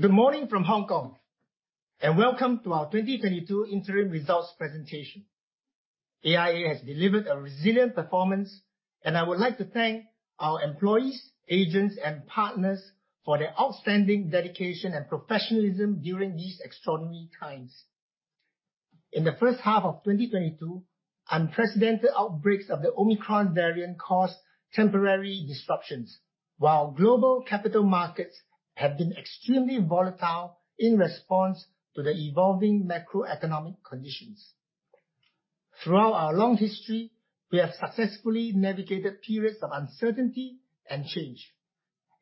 Good morning from Hong Kong, and welcome to our 2022 interim results presentation. AIA has delivered a resilient performance, and I would like to thank our employees, agents, and partners for their outstanding dedication and professionalism during these extraordinary times. In the first half of 2022, unprecedented outbreaks of the Omicron variant caused temporary disruptions, while global capital markets have been extremely volatile in response to the evolving macroeconomic conditions. Throughout our long history, we have successfully navigated periods of uncertainty and change,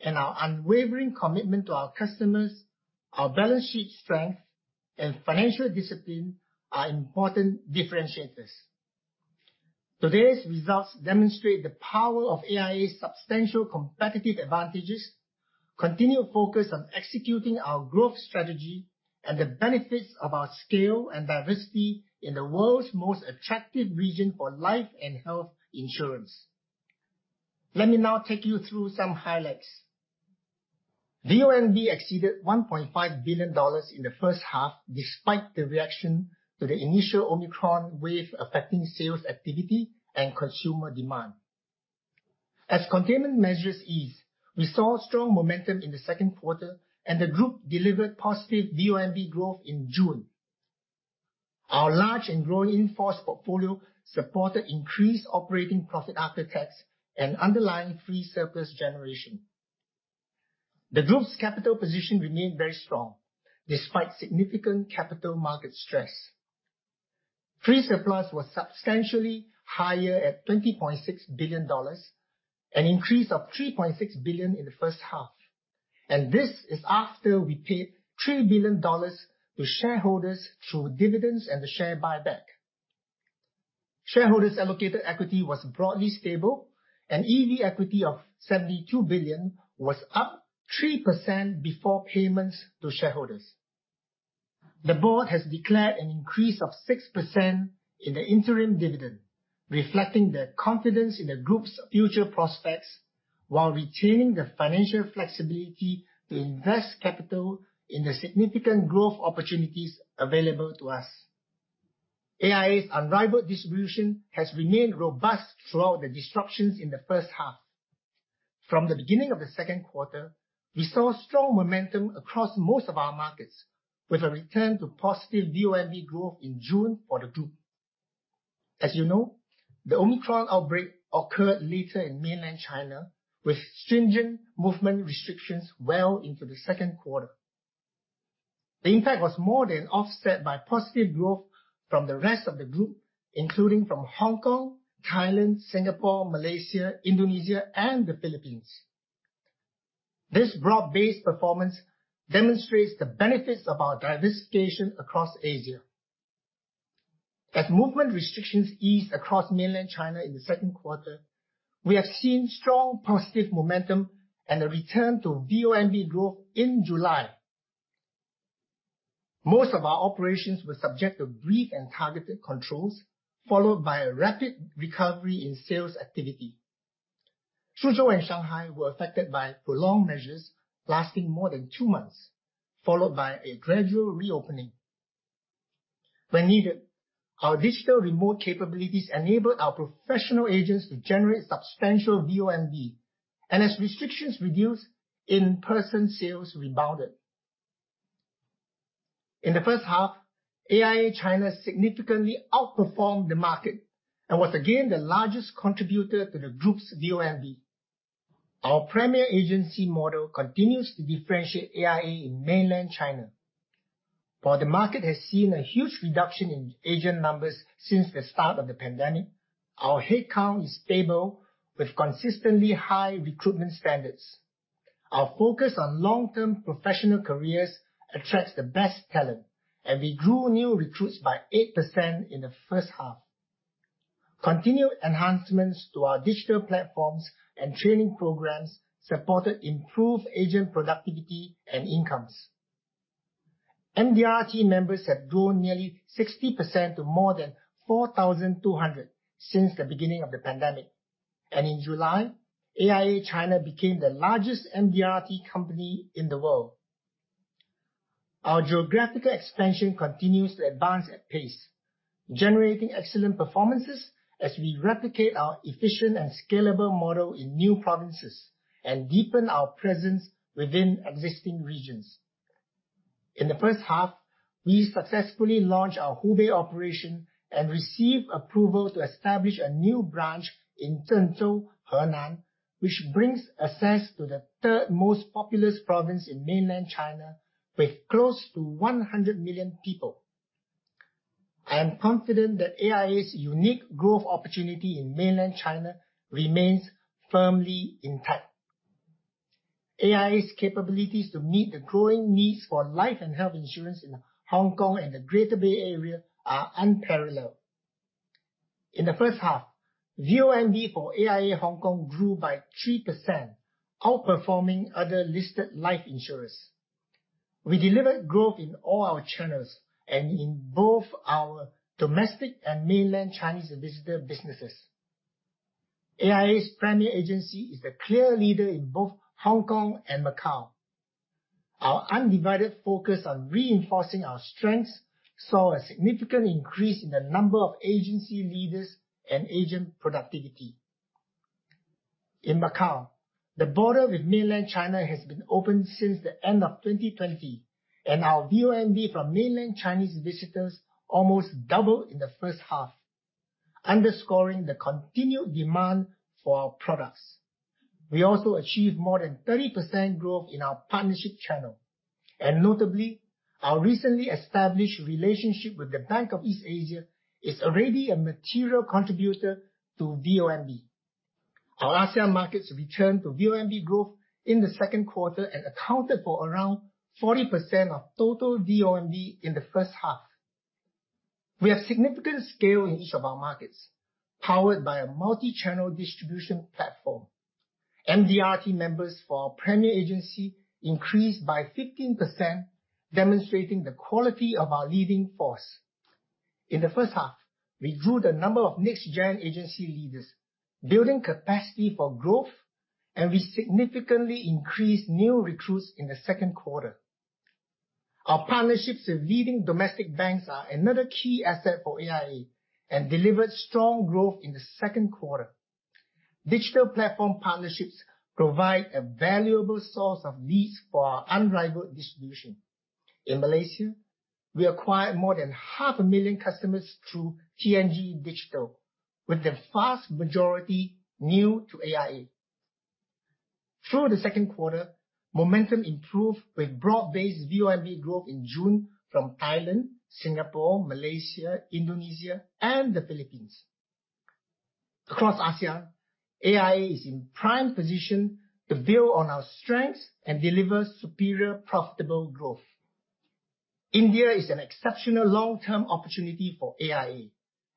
and our unwavering commitment to our customers, our balance sheet strength, and financial discipline are important differentiators. Today's results demonstrate the power of AIA's substantial competitive advantages, continued focus on executing our growth strategy, and the benefits of our scale and diversity in the world's most attractive region for life and health insurance. Let me now take you through some highlights. VONB exceeded $1.5 billion in the first half, despite the reaction to the initial Omicron wave affecting sales activity and consumer demand. As containment measures eased, we saw strong momentum in the second quarter, and the group delivered positive VONB growth in June. Our large and growing in-force portfolio supported increased operating profit after tax and underlying free surplus generation. The group's capital position remained very strong, despite significant capital market stress. Free surplus was substantially higher at $20.6 billion, an increase of $3.6 billion in the first half, and this is after we paid $3 billion to shareholders through dividends and the share buyback. Shareholders' allocated equity was broadly stable, and EV equity of $72 billion was up 3% before payments to shareholders. The board has declared an increase of 6% in the interim dividend, reflecting the confidence in the group's future prospects while retaining the financial flexibility to invest capital in the significant growth opportunities available to us. AIA's unrivaled distribution has remained robust throughout the disruptions in the first half. From the beginning of the second quarter, we saw strong momentum across most of our markets, with a return to positive VONB growth in June for the group. As you know, the Omicron outbreak occurred later in mainland China, with stringent movement restrictions well into the second quarter. The impact was more than offset by positive growth from the rest of the group, including from Hong Kong, Thailand, Singapore, Malaysia, Indonesia, and the Philippines. This broad-based performance demonstrates the benefits of our diversification across Asia. As movement restrictions eased across mainland China in the second quarter, we have seen strong positive momentum and a return to VONB growth in July. Most of our operations were subject to brief and targeted controls, followed by a rapid recovery in sales activity. Suzhou and Shanghai were affected by prolonged measures lasting more than two months, followed by a gradual reopening. When needed, our digital remote capabilities enabled our professional agents to generate substantial VONB, and as restrictions reduced, in-person sales rebounded. In the first half, AIA China significantly outperformed the market and was again the largest contributor to the group's VONB. Our premier agency model continues to differentiate AIA in mainland China. While the market has seen a huge reduction in agent numbers since the start of the pandemic, our headcount is stable, with consistently high recruitment standards. Our focus on long-term professional careers attracts the best talent, and we grew new recruits by 8% in the first half. Continued enhancements to our digital platforms and training programs supported improved agent productivity and incomes. MDRT members have grown nearly 60% to more than 4,200 since the beginning of the pandemic. In July, AIA China became the largest MDRT company in the world. Our geographical expansion continues to advance at pace, generating excellent performances as we replicate our efficient and scalable model in new provinces and deepen our presence within existing regions. In the first half, we successfully launched our Hubei operation and received approval to establish a new branch in Zhengzhou, Henan, which brings access to the third most populous province in mainland China with close to 100 million people. I am confident that AIA's unique growth opportunity in mainland China remains firmly intact. AIA's capabilities to meet the growing needs for life and health insurance in Hong Kong and the Greater Bay Area are unparalleled. In the first half, VONB for AIA Hong Kong grew by 3%, outperforming other listed life insurers. We delivered growth in all our channels and in both our domestic and mainland Chinese visitor businesses. AIA's premier agency is the clear leader in both Hong Kong and Macau. Our undivided focus on reinforcing our strengths saw a significant increase in the number of agency leaders and agent productivity. In Macau, the border with mainland China has been open since the end of 2020, and our VONB from mainland Chinese visitors almost doubled in the first half, underscoring the continued demand for our products. We also achieved more than 30% growth in our partnership channel. Notably, our recently established relationship with the Bank of East Asia is already a material contributor to VONB. Our ASEAN markets returned to VONB growth in the second quarter and accounted for around 40% of total VONB in the first half. We have significant scale in each of our markets, powered by a multi-channel distribution platform. MDRT members for our premier agency increased by 15%, demonstrating the quality of our leading force. In the first half, we grew the number of next gen agency leaders, building capacity for growth, and we significantly increased new recruits in the second quarter. Our partnerships with leading domestic banks are another key asset for AIA and delivered strong growth in the second quarter. Digital platform partnerships provide a valuable source of leads for our unrivaled distribution. In Malaysia, we acquired more than half a million customers through TNG Digital, with the vast majority new to AIA. Through the second quarter, momentum improved with broad-based VONB growth in June from Thailand, Singapore, Malaysia, Indonesia, and the Philippines. Across Asia, AIA is in prime position to build on our strengths and deliver superior profitable growth. India is an exceptional long-term opportunity for AIA,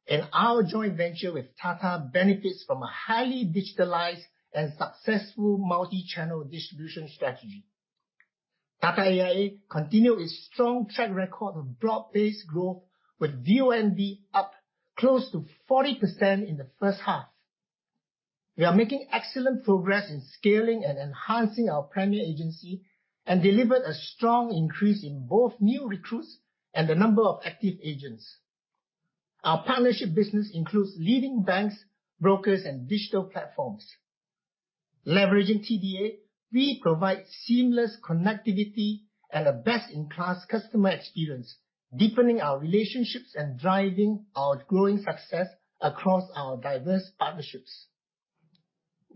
and our joint venture with Tata benefits from a highly digitalized and successful multi-channel distribution strategy. Tata AIA continued its strong track record of broad-based growth with VONB up close to 40% in the first half. We are making excellent progress in scaling and enhancing our premier agency and delivered a strong increase in both new recruits and the number of active agents. Our partnership business includes leading banks, brokers, and digital platforms. Leveraging TDA, we provide seamless connectivity and a best-in-class customer experience, deepening our relationships and driving our growing success across our diverse partnerships.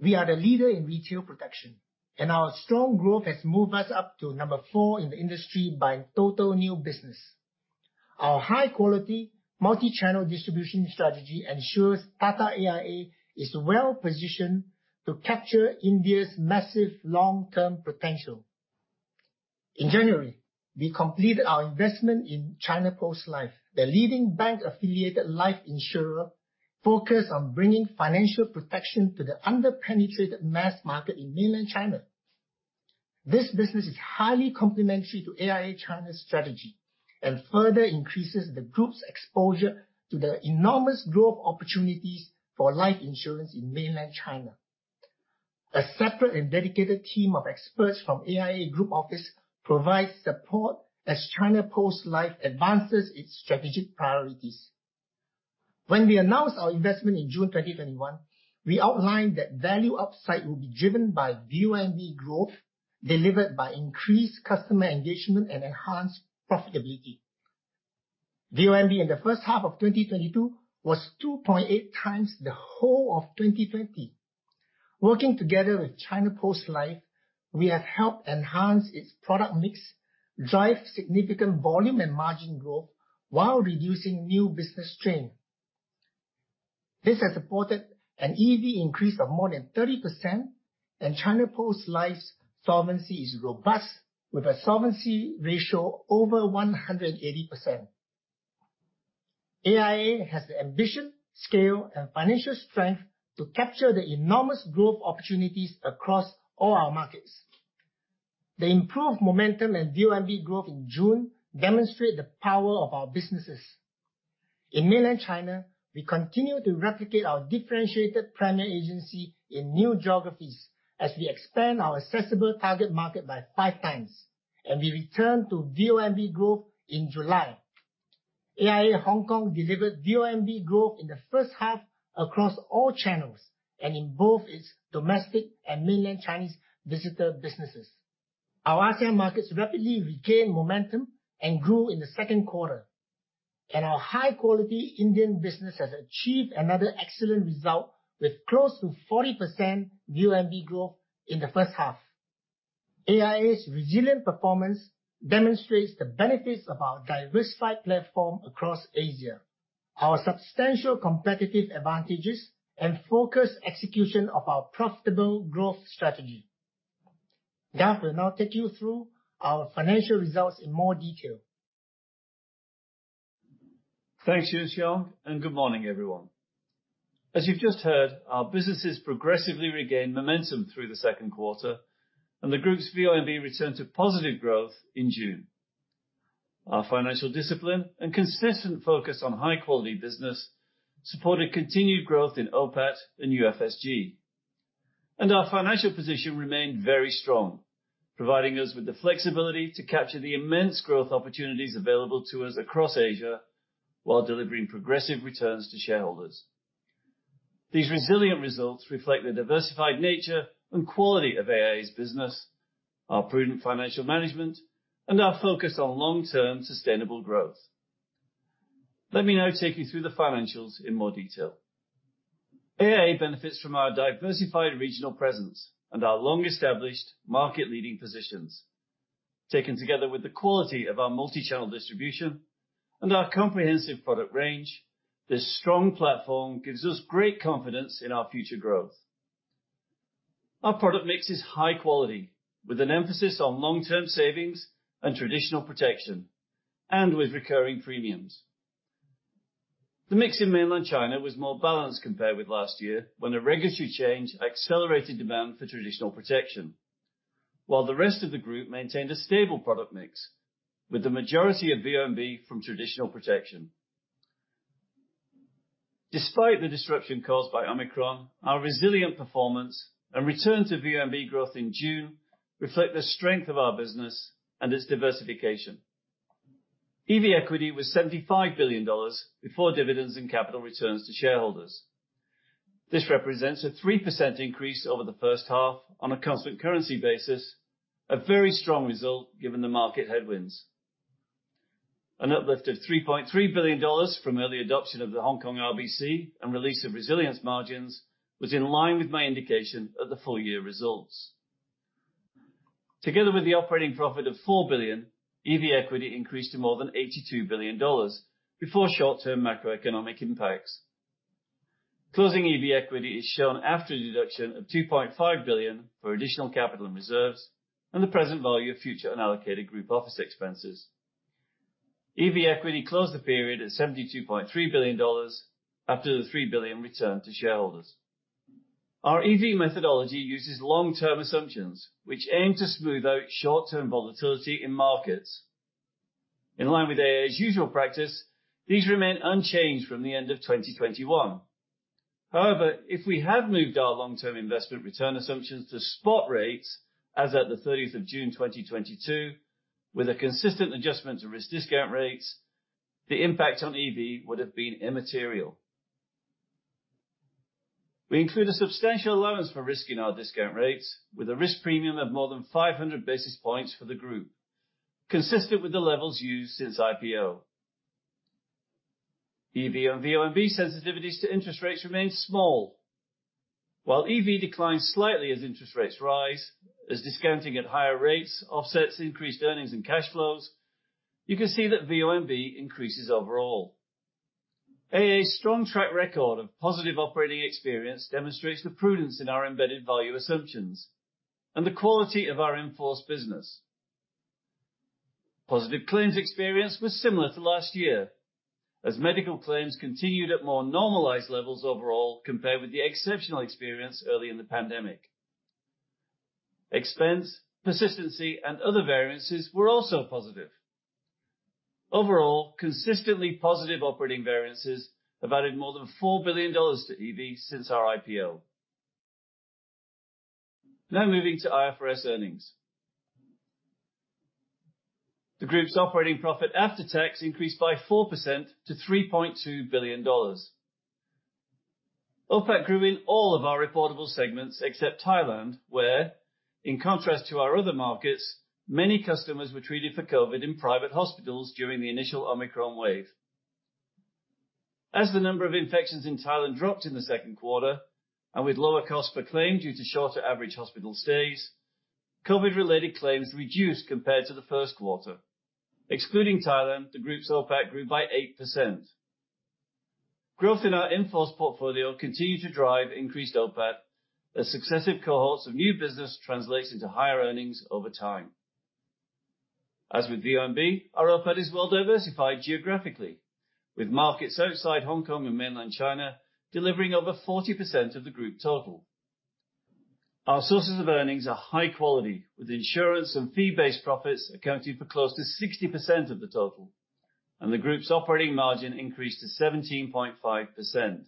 We are the leader in retail protection, and our strong growth has moved us up to number four in the industry by total new business. Our high quality multi-channel distribution strategy ensures Tata AIA is well-positioned to capture India's massive long-term potential. In January, we completed our investment in China Post Life, the leading bank-affiliated life insurer focused on bringing financial protection to the under-penetrated mass market in mainland China. This business is highly complementary to AIA China's strategy and further increases the group's exposure to the enormous growth opportunities for life insurance in mainland China. A separate and dedicated team of experts from AIA Group office provides support as China Post Life advances its strategic priorities. When we announced our investment in June 2021, we outlined that value upside will be driven by VONB growth delivered by increased customer engagement and enhanced profitability. VONB in the first half of 2022 was 2.8x the whole of 2020. Working together with China Post Life, we have helped enhance its product mix, drive significant volume and margin growth while reducing new business strain. This has supported an EV increase of more than 30%, and China Post Life's solvency is robust with a solvency ratio over 180%. AIA has the ambition, scale, and financial strength to capture the enormous growth opportunities across all our markets. The improved momentum and VONB growth in June demonstrate the power of our businesses. In mainland China, we continue to replicate our differentiated premier agency in new geographies as we expand our accessible target market by 5x, and we return to VONB growth in July. AIA Hong Kong delivered VONB growth in the first half across all channels and in both its domestic and mainland Chinese visitor businesses. Our ASEAN markets rapidly regained momentum and grew in the second quarter. Our high-quality Indian business has achieved another excellent result with close to 40% VONB growth in the first half. AIA's resilient performance demonstrates the benefits of our diversified platform across Asia, our substantial competitive advantages, and focused execution of our profitable growth strategy. Garth Jones will now take you through our financial results in more detail. Thanks Lee Yuan Siong and good morning everyone. As you've just heard, our businesses progressively regained momentum through the second quarter and the group's VONB returned to positive growth in June. Our financial discipline and consistent focus on high-quality business supported continued growth in OPAT and UFSG. Our financial position remained very strong, providing us with the flexibility to capture the immense growth opportunities available to us across Asia, while delivering progressive returns to shareholders. These resilient results reflect the diversified nature and quality of AIA's business, our prudent financial management, and our focus on long-term sustainable growth. Let me now take you through the financials in more detail. AIA benefits from our diversified regional presence and our long-established market-leading positions. Taken together with the quality of our multi-channel distribution and our comprehensive product range, this strong platform gives us great confidence in our future growth. Our product mix is high quality, with an emphasis on long-term savings and traditional protection, and with recurring premiums. The mix in Mainland China was more balanced compared with last year, when a regulatory change accelerated demand for traditional protection. The rest of the group maintained a stable product mix, with the majority of VONB from traditional protection. Despite the disruption caused by Omicron, our resilient performance and return to VONB growth in June reflect the strength of our business and its diversification. EV equity was $75 billion before dividends and capital returns to shareholders. This represents a 3% increase over the first half on a constant currency basis, a very strong result given the market headwinds. An uplift of $3.3 billion from early adoption of the Hong Kong RBC and release of resilience margins was in line with my indication at the full year results. Together with the operating profit of $4 billion, EV equity increased to more than $82 billion before short-term macroeconomic impacts. Closing EV equity is shown after the deduction of $2.5 billion for additional capital and reserves and the present value of future unallocated group office expenses. EV equity closed the period at $72.3 billion after the $3 billion returned to shareholders. Our EV methodology uses long-term assumptions, which aim to smooth out short-term volatility in markets. In line with AIA's usual practice, these remain unchanged from the end of 2021. However, if we had moved our long-term investment return assumptions to spot rates as of the 30th of June 2022, with a consistent adjustment to risk discount rates, the impact on EV would have been immaterial. We include a substantial allowance for risk in our discount rates with a risk premium of more than 500 basis points for the group, consistent with the levels used since IPO. EV and VONB sensitivities to interest rates remain small. While EV declines slightly as interest rates rise, as discounting at higher rates offsets increased earnings and cash flows, you can see that VONB increases overall. AIA's strong track record of positive operating experience demonstrates the prudence in our embedded value assumptions and the quality of our in-force business. Positive claims experience was similar to last year as medical claims continued at more normalized levels overall compared with the exceptional experience early in the pandemic. Expense, persistency, and other variances were also positive. Overall, consistently positive operating variances have added more than $4 billion to EV since our IPO. Now moving to IFRS earnings. The group's operating profit after tax increased by 4% to $3.2 billion. OPAT grew in all of our reportable segments except Thailand, where, in contrast to our other markets, many customers were treated for COVID in private hospitals during the initial Omicron wave. As the number of infections in Thailand dropped in the second quarter and with lower cost per claim due to shorter average hospital stays, COVID-related claims reduced compared to the first quarter. Excluding Thailand the group's OPAT grew by 8%. Growth in our in-force portfolio continued to drive increased OPAT as successive cohorts of new business translates into higher earnings over time. As with VONB, our OPAT is well diversified geographically, with markets outside Hong Kong and Mainland China delivering over 40% of the group total. Our sources of earnings are high quality, with insurance and fee-based profits accounting for close to 60% of the total, and the group's operating margin increased to 17.5%.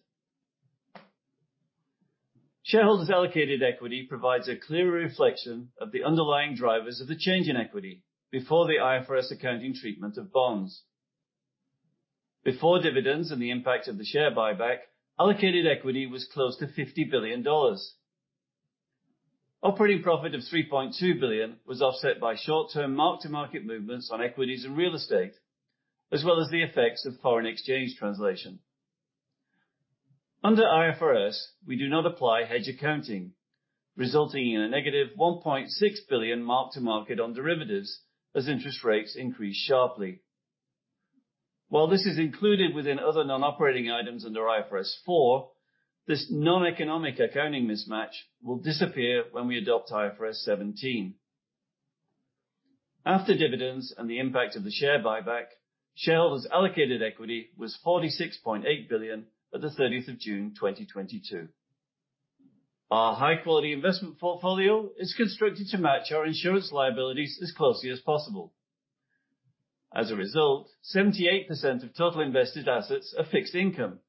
Shareholders allocated equity provides a clear reflection of the underlying drivers of the change in equity before the IFRS accounting treatment of bonds. Before dividends and the impact of the share buyback, allocated equity was close to $50 billion. Operating profit of $3.2 billion was offset by short-term mark-to-market movements on equities and real estate, as well as the effects of foreign exchange translation. Under IFRS, we do not apply hedge accounting, resulting in a +$1.6 billion mark-to-market on derivatives as interest rates increase sharply. While this is included within other non-operating items under IFRS 4, this non-economic accounting mismatch will disappear when we adopt IFRS 17. After dividends and the impact of the share buyback, shareholders' allocated equity was $46.8 billion at the 30th of June 2022. Our high-quality investment portfolio is constructed to match our insurance liabilities as closely as possible. As a result, 78% of total invested assets are fixed income,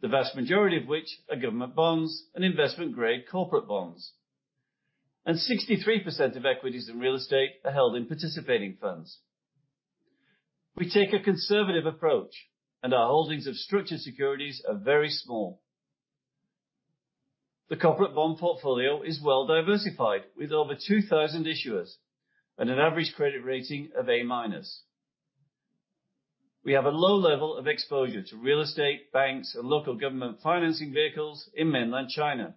the vast majority of which are government bonds and investment-grade corporate bonds, and 63% of equities and real estate are held in participating funds. We take a conservative approach, and our holdings of structured securities are very small. The corporate bond portfolio is well-diversified, with over 2,000 issuers and an average credit rating of A-. We have a low level of exposure to real estate, banks, and local government financing vehicles in Mainland China.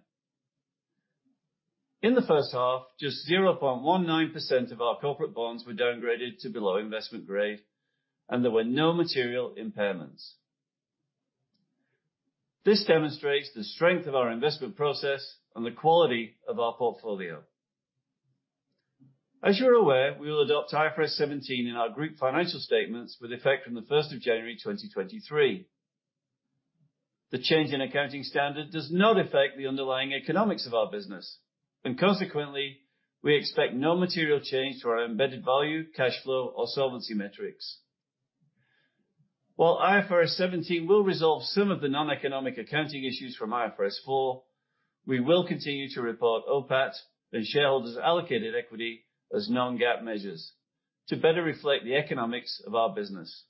In the first half, just 0.19% of our corporate bonds were downgraded to below investment grade, and there were no material impairments. This demonstrates the strength of our investment process and the quality of our portfolio. As you're aware, we will adopt IFRS 17 in our group financial statements with effect from January 1, 2023. The change in accounting standard does not affect the underlying economics of our business, and consequently, we expect no material change to our embedded value, cash flow, or solvency metrics. While IFRS 17 will resolve some of the non-economic accounting issues from IFRS 4, we will continue to report OPAT and shareholders' allocated equity as non-GAAP measures to better reflect the economics of our business.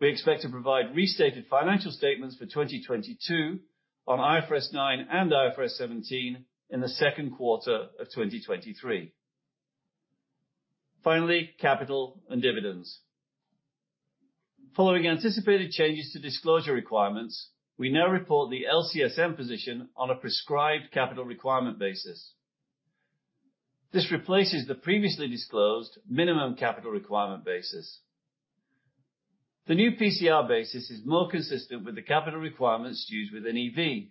We expect to provide restated financial statements for 2022 on IFRS 9 and IFRS 17 in the second quarter of 2023. Finally, capital and dividends. Following anticipated changes to disclosure requirements, we now report the LCSM position on a prescribed capital requirement basis. This replaces the previously disclosed minimum capital requirement basis. The new PCR basis is more consistent with the capital requirements used within EV.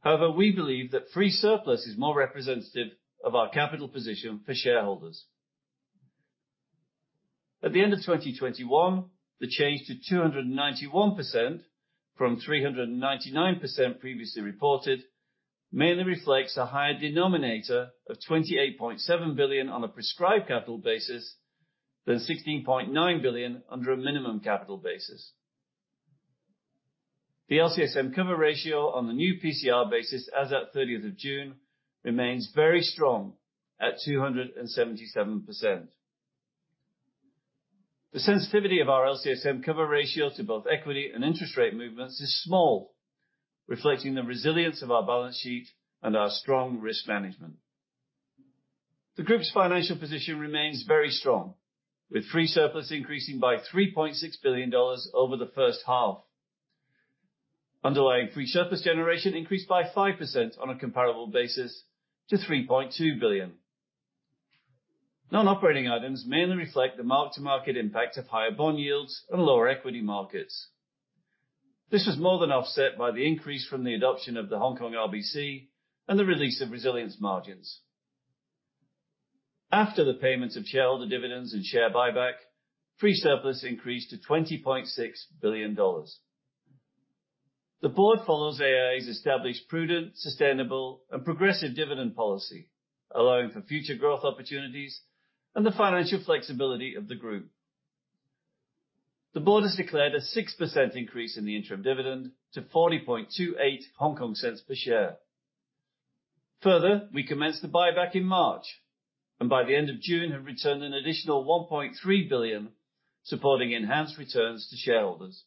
However, we believe that free surplus is more representative of our capital position for shareholders. At the end of 2021, the change to 291% from 399% previously reported mainly reflects a higher denominator of $28.7 billion on a prescribed capital basis than $16.9 billion under a minimum capital basis. The LCSM cover ratio on the new PCR basis as at 30th of June remains very strong at 277%. The sensitivity of our LCSM cover ratio to both equity and interest rate movements is small, reflecting the resilience of our balance sheet and our strong risk management. The group's financial position remains very strong, with free surplus increasing by $3.6 billion over the first half. Underlying free surplus generation increased by 5% on a comparable basis to $3.2 billion. Non-operating items mainly reflect the mark-to-market impact of higher bond yields and lower equity markets. This was more than offset by the increase from the adoption of the Hong Kong RBC and the release of resilience margins. After the payments of shareholder dividends and share buyback, free surplus increased to $20.6 billion. The board follows AIA's established prudent, sustainable, and progressive dividend policy, allowing for future growth opportunities and the financial flexibility of the group. The board has declared a 6% increase in the interim dividend to 0.4028 per share. Further, we commenced the buyback in March, and by the end of June have returned an additional $1.3 billion, supporting enhanced returns to shareholders.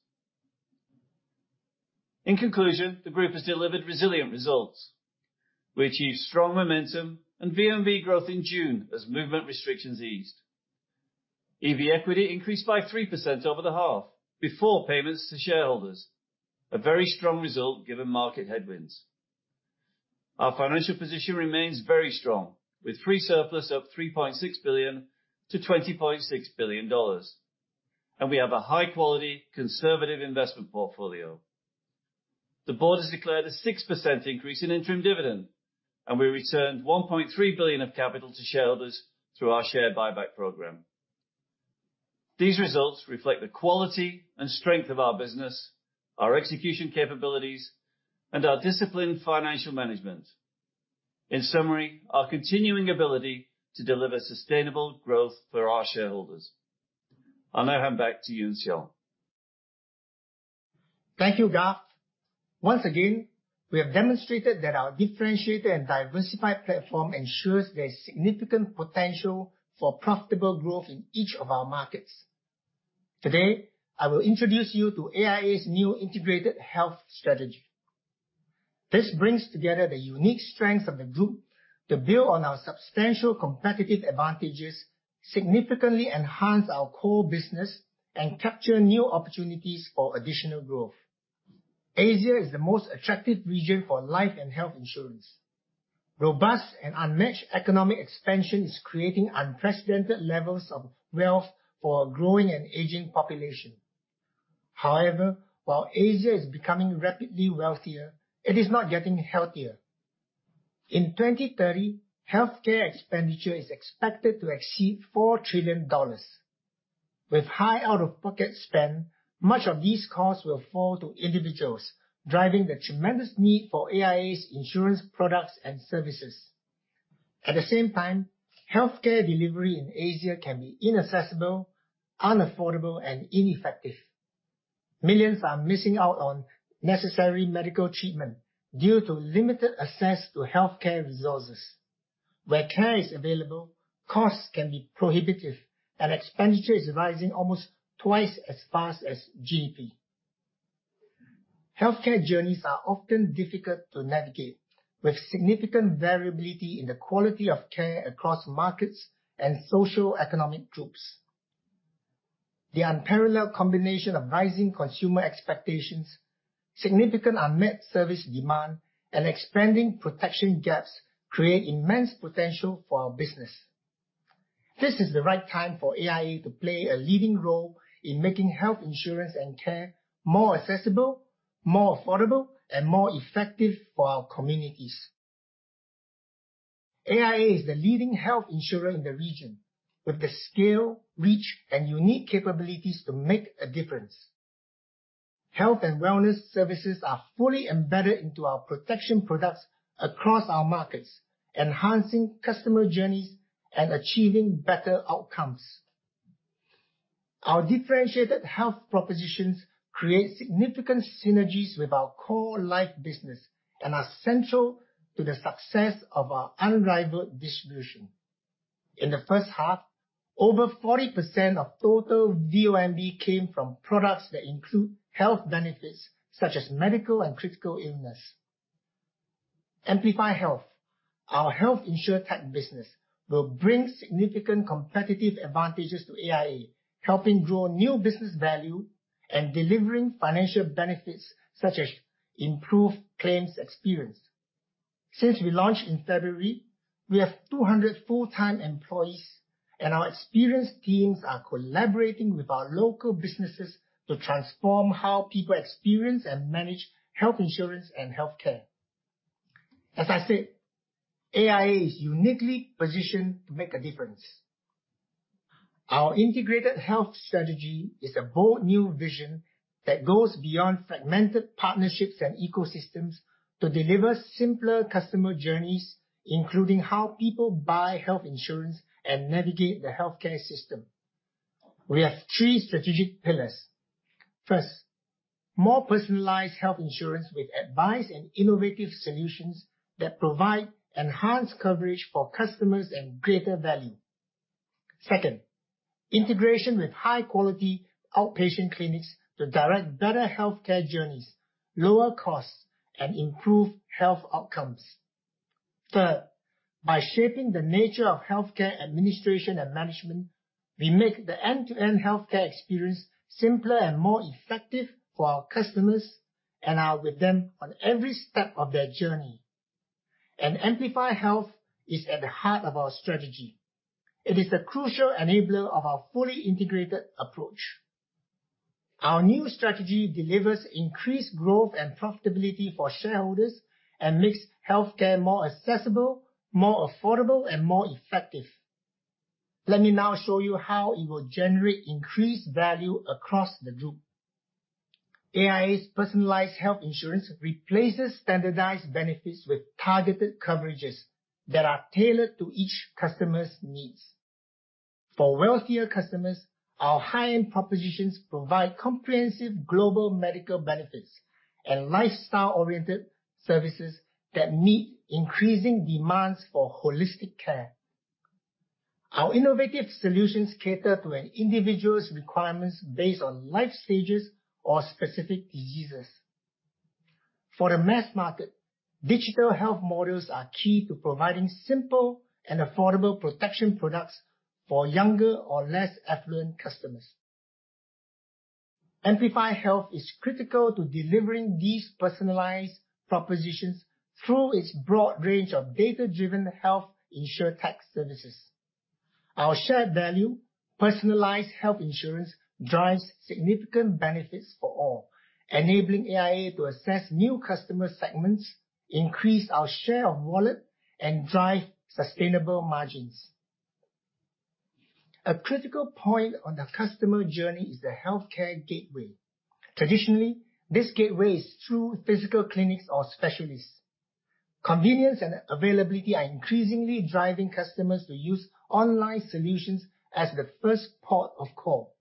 In conclusion, the group has delivered resilient results. We achieved strong momentum and VONB growth in June as movement restrictions eased. EV equity increased by 3% over the half before payments to shareholders, a very strong result given market headwinds. Our financial position remains very strong, with free surplus up $3.6 billion to $20.6 billion, and we have a high-quality, conservative investment portfolio. The board has declared a 6% increase in interim dividend, and we returned $1.3 billion of capital to shareholders through our share buyback program. These results reflect the quality and strength of our business, our execution capabilities, and our disciplined financial management. In summary, our continuing ability to deliver sustainable growth for our shareholders. I'll now hand back to you, Siong. Thank you, Garth. Once again, we have demonstrated that our differentiated and diversified platform ensures there's significant potential for profitable growth in each of our markets. Today, I will introduce you to AIA's new integrated health strategy. This brings together the unique strengths of the group to build on our substantial competitive advantages, significantly enhance our core business, and capture new opportunities for additional growth. Asia is the most attractive region for life and health insurance. Robust and unmatched economic expansion is creating unprecedented levels of wealth for a growing and aging population. However, while Asia is becoming rapidly wealthier, it is not getting healthier. In 2030, healthcare expenditure is expected to exceed $4 trillion. With high out-of-pocket spend, much of these costs will fall to individuals, driving the tremendous need for AIA's insurance products and services. At the same time, healthcare delivery in Asia can be inaccessible, unaffordable, and ineffective. Millions are missing out on necessary medical treatment due to limited access to healthcare resources. Where care is available, costs can be prohibitive, and expenditure is rising almost twice as fast as GDP. Healthcare journeys are often difficult to navigate, with significant variability in the quality of care across markets and socioeconomic groups. The unparalleled combination of rising consumer expectations, significant unmet service demand, and expanding protection gaps create immense potential for our business. This is the right time for AIA to play a leading role in making health insurance and care more accessible, more affordable, and more effective for our communities. AIA is the leading health insurer in the region with the scale, reach, and unique capabilities to make a difference. Health and wellness services are fully embedded into our protection products across our markets, enhancing customer journeys and achieving better outcomes. Our differentiated health propositions create significant synergies with our core life business and are central to the success of our unrivaled distribution. In the first half, over 40% of total VONB came from products that include health benefits such as medical and critical illness. Amplify Health, our health insurtech business, will bring significant competitive advantages to AIA, helping grow new business value and delivering financial benefits such as improved claims experience. Since we launched in February, we have 200 full-time employees, and our experienced teams are collaborating with our local businesses to transform how people experience and manage health insurance and healthcare. As I said, AIA is uniquely positioned to make a difference. Our integrated health strategy is a bold new vision that goes beyond fragmented partnerships and ecosystems to deliver simpler customer journeys, including how people buy health insurance and navigate the healthcare system. We have three strategic pillars. First, more personalized health insurance with advice and innovative solutions that provide enhanced coverage for customers and greater value. Second, integration with high-quality outpatient clinics to direct better healthcare journeys, lower costs, and improve health outcomes. Third, by shaping the nature of healthcare administration and management, we make the end-to-end healthcare experience simpler and more effective for our customers and are with them on every step of their journey. Amplify Health is at the heart of our strategy. It is the crucial enabler of our fully integrated approach. Our new strategy delivers increased growth and profitability for shareholders and makes healthcare more accessible, more affordable, and more effective. Let me now show you how it will generate increased value across the group. AIA's personalized health insurance replaces standardized benefits with targeted coverages that are tailored to each customer's needs. For wealthier customers, our high-end propositions provide comprehensive global medical benefits and lifestyle-oriented services that meet increasing demands for holistic care. Our innovative solutions cater to an individual's requirements based on life stages or specific diseases. For the mass market, digital health models are key to providing simple and affordable protection products for younger or less affluent customers. Amplify Health is critical to delivering these personalized propositions through its broad range of data-driven health insurtech services. Our shared value, personalized health insurance, drives significant benefits for all, enabling AIA to assess new customer segments, increase our share of wallet, and drive sustainable margins. A critical point on the customer journey is the healthcare gateway. Traditionally, this gateway is through physical clinics or specialists. Convenience and availability are increasingly driving customers to use online solutions as the first port of call.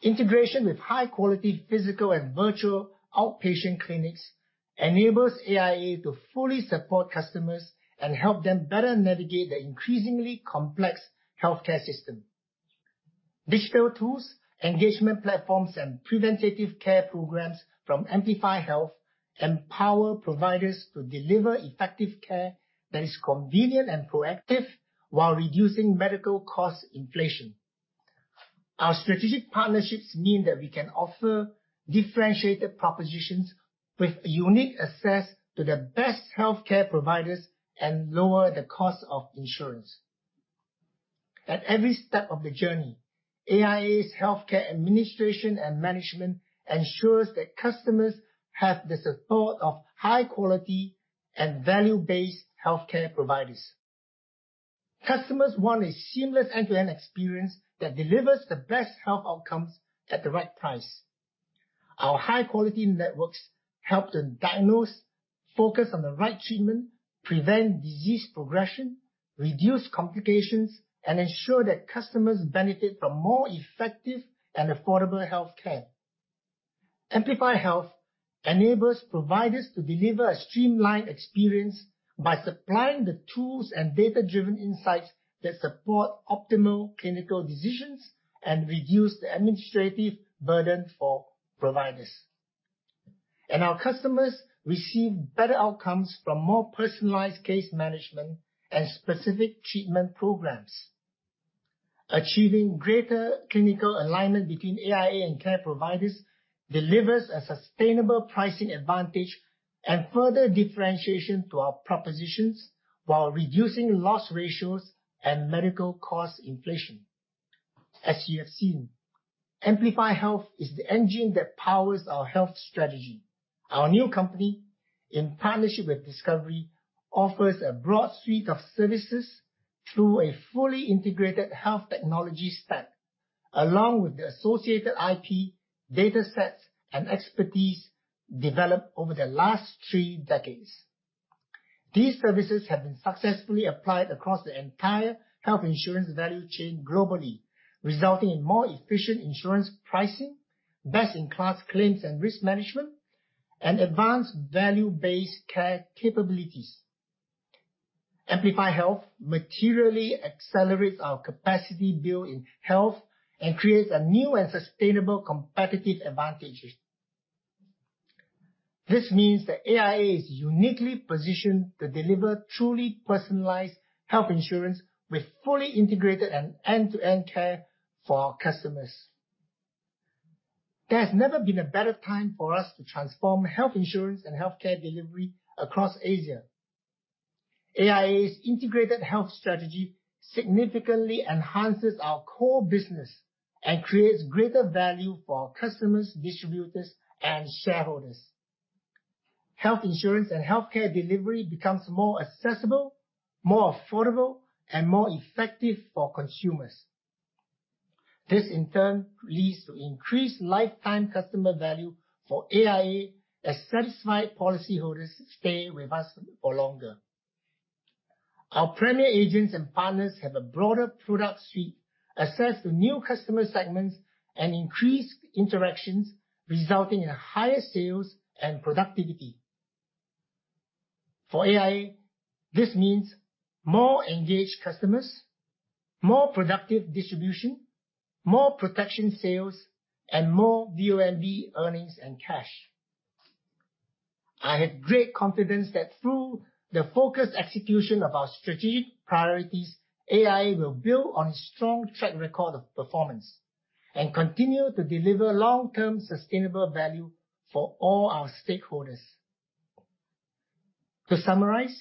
Integration with high-quality physical and virtual outpatient clinics enables AIA to fully support customers and help them better navigate the increasingly complex healthcare system. Digital tools, engagement platforms, and preventative care programs from Amplify Health empower providers to deliver effective care that is convenient and proactive while reducing medical cost inflation. Our strategic partnerships mean that we can offer differentiated propositions with unique access to the best healthcare providers and lower the cost of insurance. At every step of the journey, AIA's healthcare administration and management ensures that customers have the support of high-quality and value-based healthcare providers. Customers want a seamless end-to-end experience that delivers the best health outcomes at the right price. Our high quality networks help to diagnose, focus on the right treatment, prevent disease progression, reduce complications, and ensure that customers benefit from more effective and affordable healthcare. Amplify Health enables providers to deliver a streamlined experience by supplying the tools and data-driven insights that support optimal clinical decisions and reduce the administrative burden for providers. Our customers receive better outcomes from more personalized case management and specific treatment programs. Achieving greater clinical alignment between AIA and care providers delivers a sustainable pricing advantage and further differentiation to our propositions while reducing loss ratios and medical cost inflation. As you have seen, Amplify Health is the engine that powers our health strategy. Our new company, in partnership with Discovery, offers a broad suite of services through a fully integrated health technology stack, along with the associated IP data sets and expertise developed over the last three decades. These services have been successfully applied across the entire health insurance value chain globally, resulting in more efficient insurance pricing, best-in-class claims and risk management, and advanced value-based care capabilities. Amplify Health materially accelerates our capacity build in health and creates a new and sustainable competitive advantage. This means that AIA is uniquely positioned to deliver truly personalized health insurance with fully integrated and end-to-end care for our customers. There's never been a better time for us to transform health insurance and healthcare delivery across Asia. AIA's integrated health strategy significantly enhances our core business and creates greater value for our customers, distributors, and shareholders. Health insurance and healthcare delivery becomes more accessible, more affordable, and more effective for consumers. This, in turn, leads to increased lifetime customer value for AIA as satisfied policyholders stay with us for longer. Our premier agents and partners have a broader product suite, access to new customer segments, and increased interactions resulting in higher sales and productivity. For AIA, this means more engaged customers, more productive distribution, more protection sales, and more VONB earnings and cash. I have great confidence that through the focused execution of our strategic priorities, AIA will build on a strong track record of performance and continue to deliver long-term sustainable value for all our stakeholders. To summarize,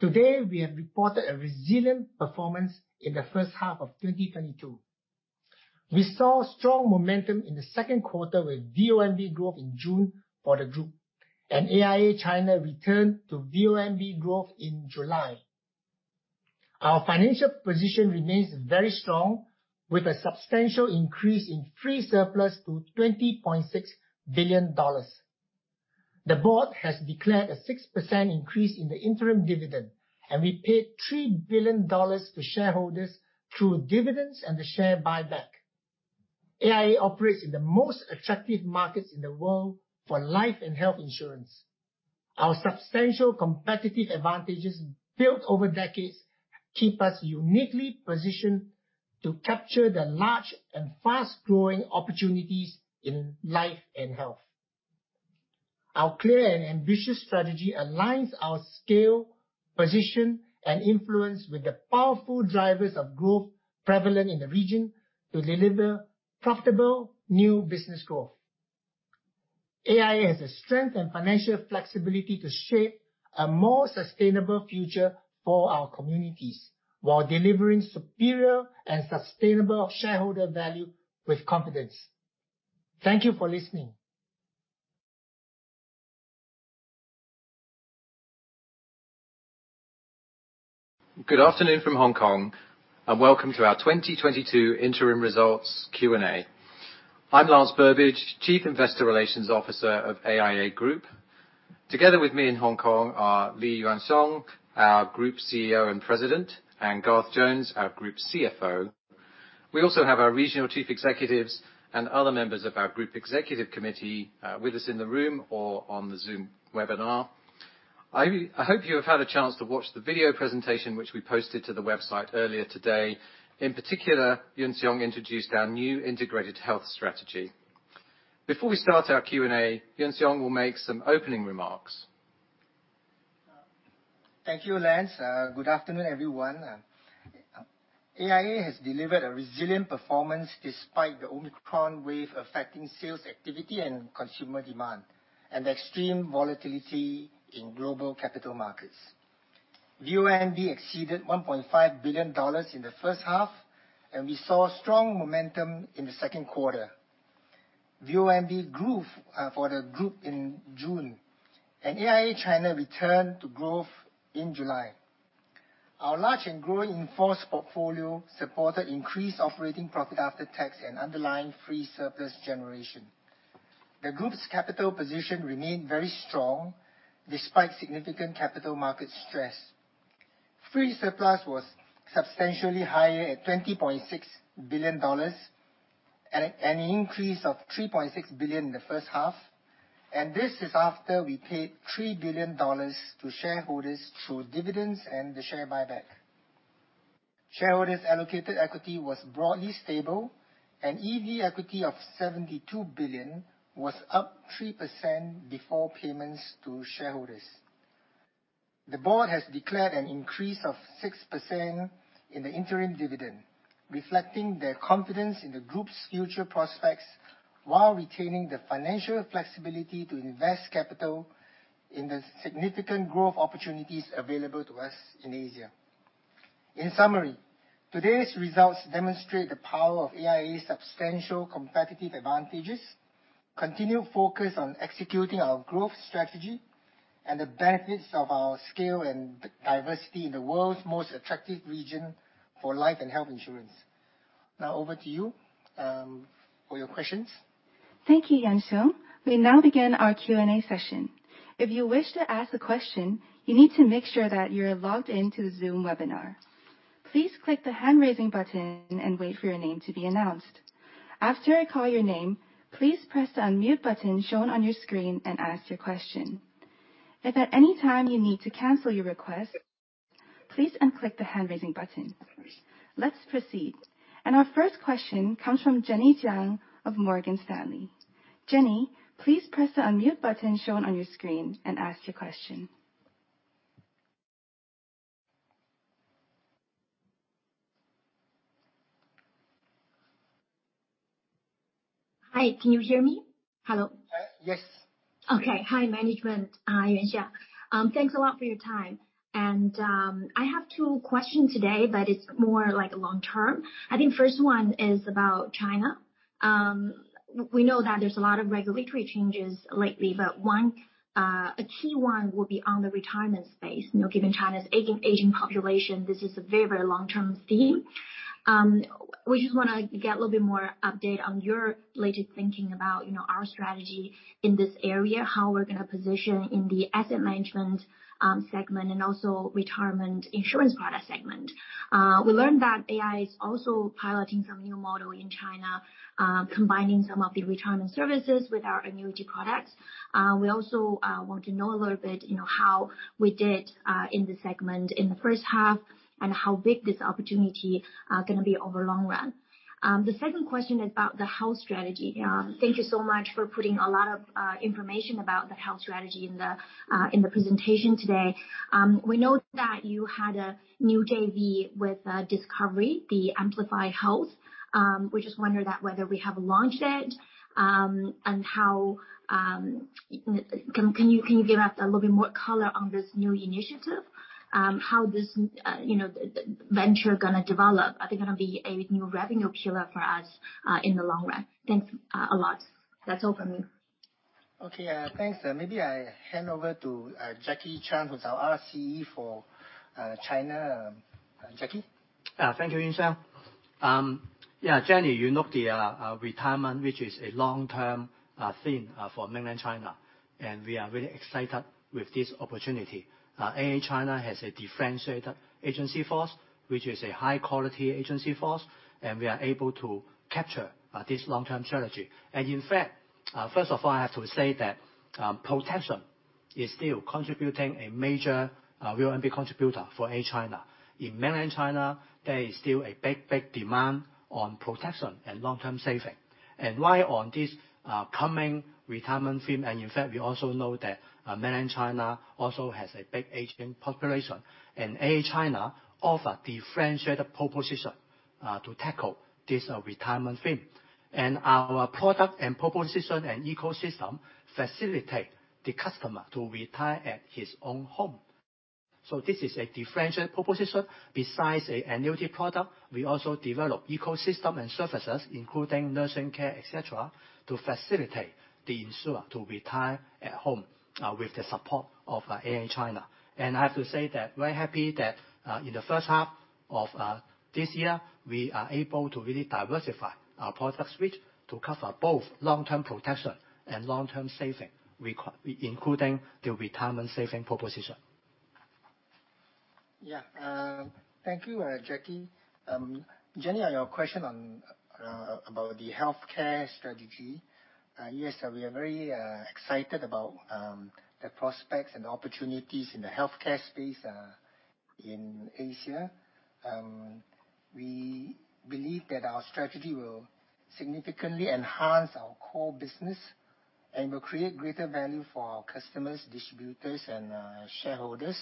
today, we have reported a resilient performance in the first half of 2022. We saw strong momentum in the second quarter with VONB growth in June for the group. AIA China returned to VONB growth in July. Our financial position remains very strong with a substantial increase in free surplus to $20.6 billion. The board has declared a 6% increase in the interim dividend, and we paid $3 billion to shareholders through dividends and the share buyback. AIA operates in the most attractive markets in the world for life and health insurance. Our substantial competitive advantages built over decades keep us uniquely positioned to capture the large and fast-growing opportunities in life and health. Our clear and ambitious strategy aligns our scale, position, and influence with the powerful drivers of growth prevalent in the region to deliver profitable new business growth. AIA has the strength and financial flexibility to shape a more sustainable future for our communities while delivering superior and sustainable shareholder value with confidence. Thank you for listening. Good afternoon from Hong Kong and welcome to our 2022 interim results Q&A. I'm Lance Burbidge, Chief Investor Relations Officer of AIA Group. Together with me in Hong Kong are Lee Yuan Siong, our Group CEO and President, and Garth Jones, our Group CFO. We also have our regional chief executives and other members of our group executive committee with us in the room or on the Zoom webinar. I hope you have had a chance to watch the video presentation which we posted to the website earlier today. In particular, Yuan Siong introduced our new integrated health strategy. Before we start our Q&A, Yuan Siong will make some opening remarks. Thank you, Lance. Good afternoon, everyone. AIA has delivered a resilient performance despite the Omicron wave affecting sales activity and consumer demand and extreme volatility in global capital markets. VONB exceeded $1.5 billion in the first half, and we saw strong momentum in the second quarter. VONB grew for the group in June, and AIA China returned to growth in July. Our large and growing in-force portfolio supported increased operating profit after tax and underlying free surplus generation. The group's capital position remained very strong despite significant capital market stress. Free surplus was substantially higher at $20 billion, an increase of $3.6 billion in the first half, and this is after we paid $3 billion to shareholders through dividends and the share buyback. Shareholders allocated equity was broadly stable, and EV equity of $72 billion was up 3% before payments to shareholders. The board has declared an increase of 6% in the interim dividend, reflecting their confidence in the group's future prospects while retaining the financial flexibility to invest capital in the significant growth opportunities available to us in Asia. In summary, today's results demonstrate the power of AIA's substantial competitive advantages, continued focus on executing our growth strategy, and the benefits of our scale and diversity in the world's most attractive region for life and health insurance. Now over to you, for your questions. Thank you Yuan Siong. We now begin our Q&A session. If you wish to ask a question, you need to make sure that you're logged in to the Zoom webinar. Please click the hand-raising button and wait for your name to be announced. After I call your name, please press the Unmute button shown on your screen and ask your question. If at any time you need to cancel your request, please unclick the hand-raising button. Let's proceed. Our first question comes from Jenny Jiang of Morgan Stanley. Jenny, please press the Unmute button shown on your screen and ask your question. Hi can you hear me? Hello. Yes. Okay. Hi management. Hi Yuan Siong. Thanks a lot for your time. I have two questions today, but it's more like long term. I think first one is about China. We know that there's a lot of regulatory changes lately, but one, a key one will be on the retirement space. You know, given China's aging population, this is a very, very long-term theme. We just wanna get a little bit more update on your latest thinking about, you know, our strategy in this area. How we're gonna position in the asset management segment and also retirement insurance product segment. We learned that AIA is also piloting some new model in China, combining some of the retirement services with our annuity products. We also want to know a little bit, you know, how we did in this segment in the first half and how big this opportunity gonna be over long run. The second question is about the health strategy. Thank you so much for putting a lot of information about the health strategy in the presentation today. We know that you had a new JV with Discovery, the Amplify Health. We just wonder that whether we have launched it, and how can you give us a little bit more color on this new initiative. How this, you know, venture gonna develop. Are they gonna be a new revenue pillar for us in the long run. Thanks a lot. That's all for me. Okay. Thanks. Maybe I hand over to Jacky Chan who's our RCE for China. Jacky. Thank you Yuan Siong. Yeah, Jenny Jiang, you know the retirement, which is a long-term thing for mainland China, and we are really excited with this opportunity. AIA China has a differentiated agency force, which is a high quality agency force, and we are able to capture this long-term strategy. In fact, first of all, I have to say that protection is still contributing a major VONB contributor for AIA China. In mainland China, there is still a big demand on protection and long-term saving. While on this coming retirement theme, in fact we also know that mainland China also has a big aging population, and AIA China offer differentiated proposition to tackle this retirement theme. Our product and proposition and ecosystem facilitate the customer to retire at his own home. This is a differentiated proposition. Besides an annuity product, we also develop ecosystem and services, including nursing care, et cetera, to facilitate the insured to retire at home, with the support of AIA China. I have to say that we're happy that, in the first half of this year, we are able to really diversify our product suite to cover both long-term protection and long-term saving including the retirement saving proposition. Yeah. Thank you Jacky. Jenny, on your question about the healthcare strategy, yes, we are very excited about the prospects and opportunities in the healthcare space in Asia. We believe that our strategy will significantly enhance our core business and will create greater value for our customers, distributors, and shareholders.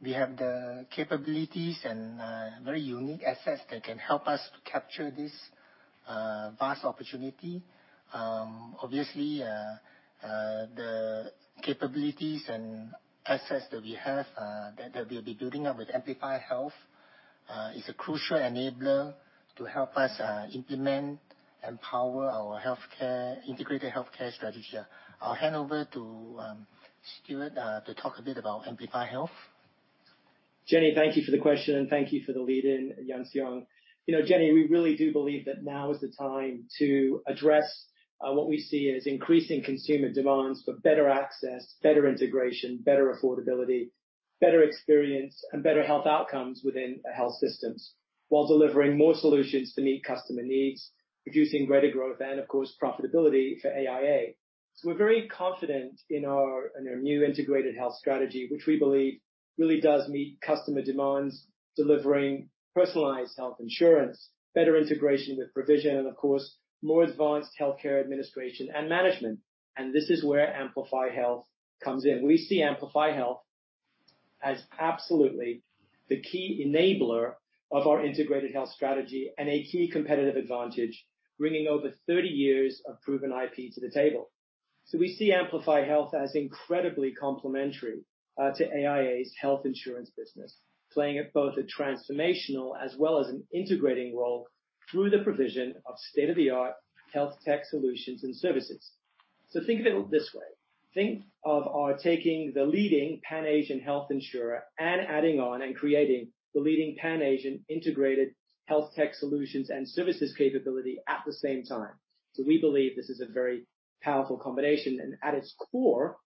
We have the capabilities and very unique assets that can help us to capture this vast opportunity. Obviously, the capabilities and access that we have that we'll be building up with Amplify Health is a crucial enabler to help us implement, empower our integrated healthcare strategy. I'll hand over to Stuart to talk a bit about Amplify Health. Jenny thank you for the question, and thank you for the lead in Yuan Siong. You know, Jenny, we really do believe that now is the time to address what we see as increasing consumer demands for better access, better integration, better affordability, better experience, and better health outcomes within the health systems, while delivering more solutions to meet customer needs, producing greater growth and, of course, profitability for AIA. We're very confident in our, in our new integrated health strategy, which we believe really does meet customer demands, delivering personalized health insurance, better integration with provision, and of course, more advanced healthcare administration and management. This is where Amplify Health comes in. We see Amplify Health as absolutely the key enabler of our integrated health strategy and a key competitive advantage, bringing over 30 years of proven IP to the table. We see Amplify Health as incredibly complementary to AIA's health insurance business, playing both a transformational as well as an integrating role through the provision of state-of-the-art health tech solutions and services. Think of it this way. Think of our taking the leading pan-Asian health insurer and adding on and creating the leading pan-Asian integrated health tech solutions and services capability at the same time. We believe this is a very powerful combination. At its core,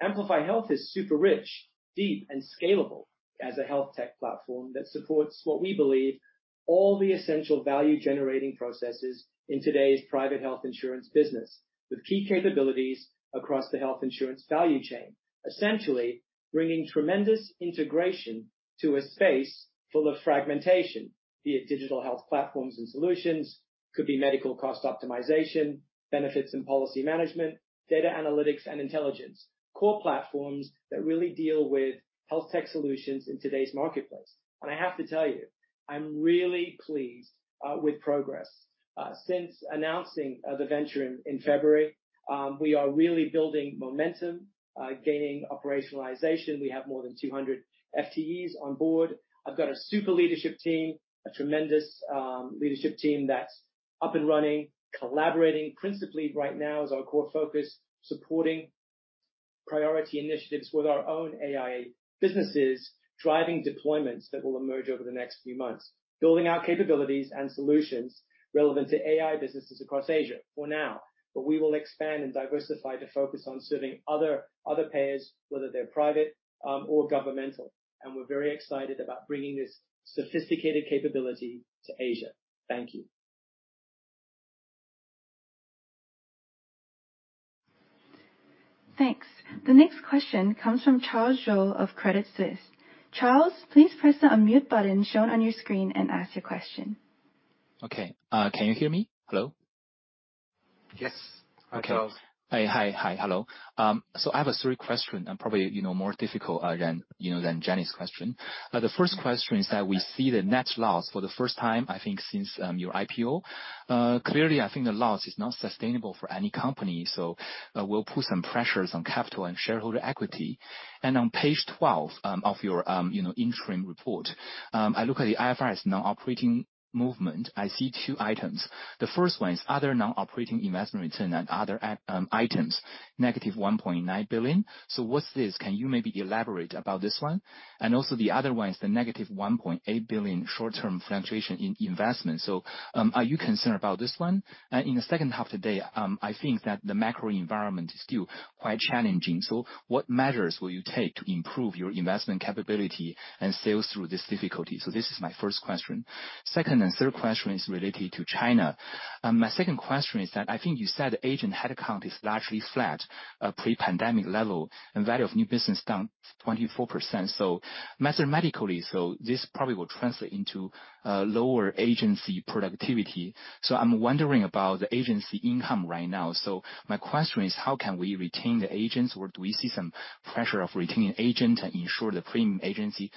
Amplify Health is super rich, deep and scalable as a health tech platform that supports what we believe all the essential value generating processes in today's private health insurance business, with key capabilities across the health insurance value chain. Essentially, bringing tremendous integration to a space full of fragmentation, be it digital health platforms and solutions, could be medical cost optimization, benefits and policy management, data analytics and intelligence. Core platforms that really deal with health tech solutions in today's marketplace. I have to tell you, I'm really pleased with progress since announcing the venture in February, we are really building momentum, gaining operationalization. We have more than 200 FTEs on board. I've got a super leadership team, a tremendous leadership team that's up and running, collaborating. Principally right now is our core focus, supporting priority initiatives with our own AIA businesses, driving deployments that will emerge over the next few months. Building our capabilities and solutions relevant to AIA businesses across Asia for now. We will expand and diversify to focus on serving other payers, whether they're private or governmental. We're very excited about bringing this sophisticated capability to Asia. Thank you. Thanks. The next question comes from Charles Zhou of Credit Suisse. Charles, please press the unmute button shown on your screen and ask your question. Okay. Can you hear me? Hello? Yes. Hi Charles. Okay. Hi hello. I have three questions and probably, you know, more difficult than Jenny's question. The first question is that we see the net loss for the first time, I think, since your IPO. Clearly, I think the loss is not sustainable for any company, so we'll put some pressures on capital and shareholder equity. On page 12 of your interim report, I look at the IFRS non-operating movement. I see two items. The first one is other non-operating investment return and other items, +$1.9 billion. So what's this? Can you maybe elaborate about this one? The other one is the +$1.8 billion short-term fluctuation in investment. So, are you concerned about this one? In the second half today, I think that the macro environment is still quite challenging. What measures will you take to improve your investment capability and sales through this difficulty? This is my first question. Second and third question is related to China. My second question is that I think you said agent head count is largely flat, pre-pandemic level, and value of new business down 24%. Mathematically, this probably will translate into lower agency productivity. I'm wondering about the agency income right now. My question is, how can we retain the agents, or do we see some pressure of retaining agent and ensure the premium agency,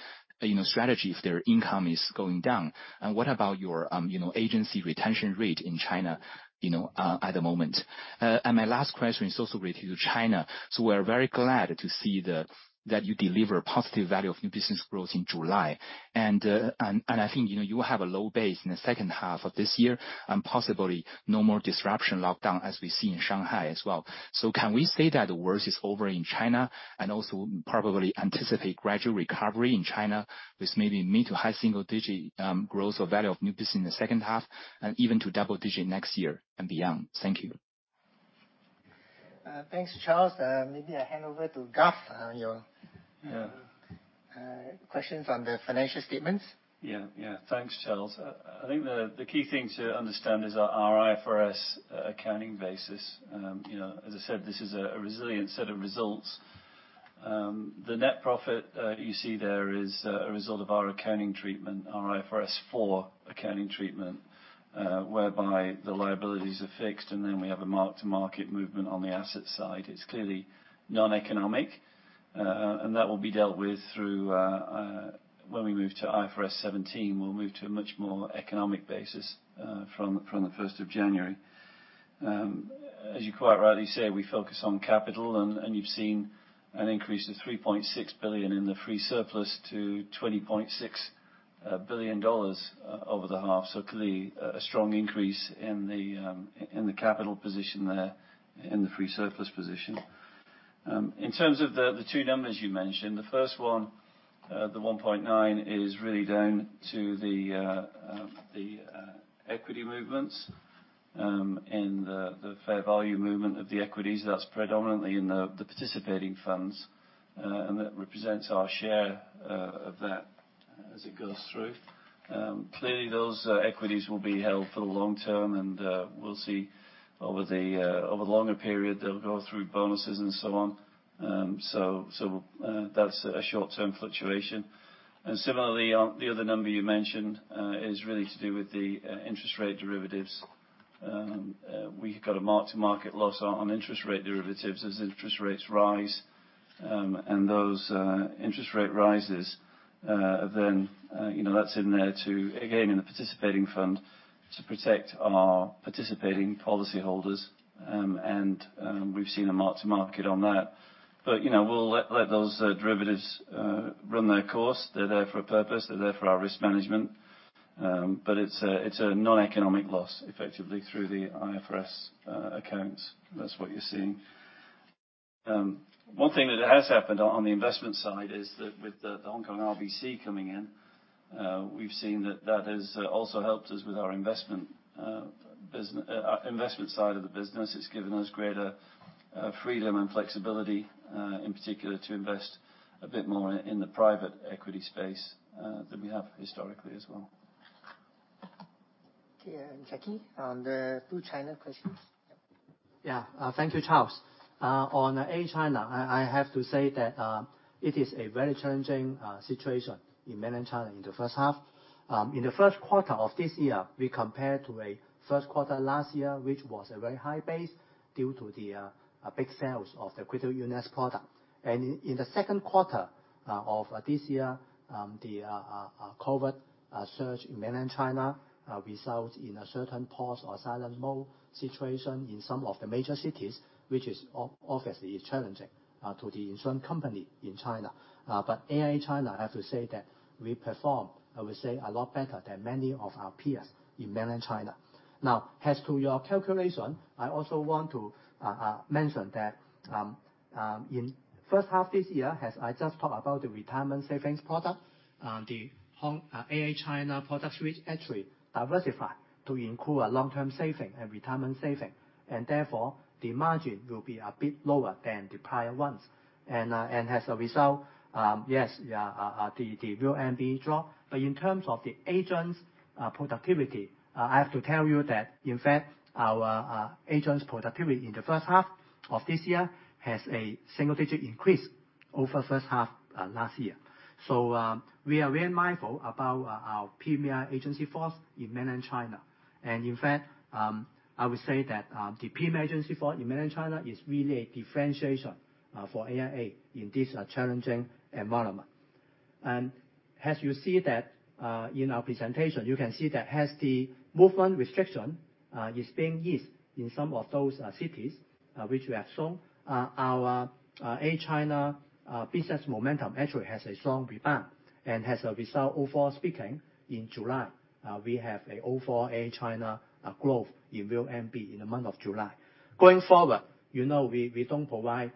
you know, strategy if their income is going down? And what about your, you know, agency retention rate in China, you know, at the moment? My last question is also related to China. We're very glad to see that you deliver positive value of new business growth in July. I think, you know, you have a low base in the second half of this year and possibly no more disruption lockdown as we see in Shanghai as well. Can we say that the worst is over in China and also probably anticipate gradual recovery in China with maybe mid to high single digit growth or value of new business in the second half and even to double digit next year and beyond? Thank you. Thanks Charles maybe I hand over to Gav on your- Yeah. Questions on the financial statements. Thanks Charles I think the key thing to understand is our IFRS accounting basis. You know, as I said, this is a resilient set of results. The net profit you see there is a result of our accounting treatment, our IFRS 4 accounting treatment, whereby the liabilities are fixed, and then we have a mark-to-market movement on the asset side. It's clearly non-economic. That will be dealt with when we move to IFRS 17. We'll move to a much more economic basis from the first of January. As you quite rightly say, we focus on capital and you've seen an increase of $3.6 billion in the free surplus to $20.6 billion over the half. Clearly a strong increase in the capital position there in the free surplus position. In terms of the two numbers you mentioned, the first one, the 1.9 is really down to the equity movements and the fair value movement of the equities. That's predominantly in the participating funds and that represents our share of that as it goes through. Clearly, those equities will be held for the long term, and we'll see over the longer period, they'll go through bonuses and so on. That's a short-term fluctuation. Similarly, the other number you mentioned is really to do with the interest rate derivatives. We've got a mark-to-market loss on interest rate derivatives as interest rates rise. Those interest rate rises then you know that's in there to again in the participating fund to protect our participating policyholders. We've seen a mark to market on that. You know, we'll let those derivatives run their course. They're there for a purpose. They're there for our risk management. It's a non-economic loss effectively through the IFRS accounts. That's what you're seeing. One thing that has happened on the investment side is that with the Hong Kong RBC coming in, we've seen that that has also helped us with our investment side of the business. It's given us greater freedom and flexibility, in particular to invest a bit more in the private equity space than we have historically as well. Okay. Jacky, on the two China questions. Yeah. Thank you Charles on AIA China, I have to say that it is a very challenging situation in mainland China in the first half. In the first quarter of this year, we compare to a first quarter last year, which was a very high base due to the big sales of the critical illness product. In the second quarter of this year, the COVID surge in mainland China results in a certain pause or silent mode situation in some of the major cities, which is obviously challenging to the insurance company in China. AIA China, I have to say that we perform. I would say a lot better than many of our peers in mainland China. Now, as to your calculation, I also want to mention that in first half this year, as I just talked about the retirement savings product, the AIA China product suite actually diversified to include long-term saving and retirement saving, and therefore the margin will be a bit lower than the prior ones. As a result, the VONB dropped. But in terms of the agents' productivity, I have to tell you that, in fact, our agents' productivity in the first half of this year has a single digit increase over first half last year. We are very mindful about our premium agency force in mainland China. In fact, I would say that the premier agency for mainland China is really a differentiation for AIA in this challenging environment. As you see that in our presentation, you can see that as the movement restriction is being eased in some of those cities which we have shown our AIA China business momentum actually has a strong rebound. As a result, overall speaking, in July we have an overall AIA China growth in VONB in the month of July. Going forward, you know, we don't provide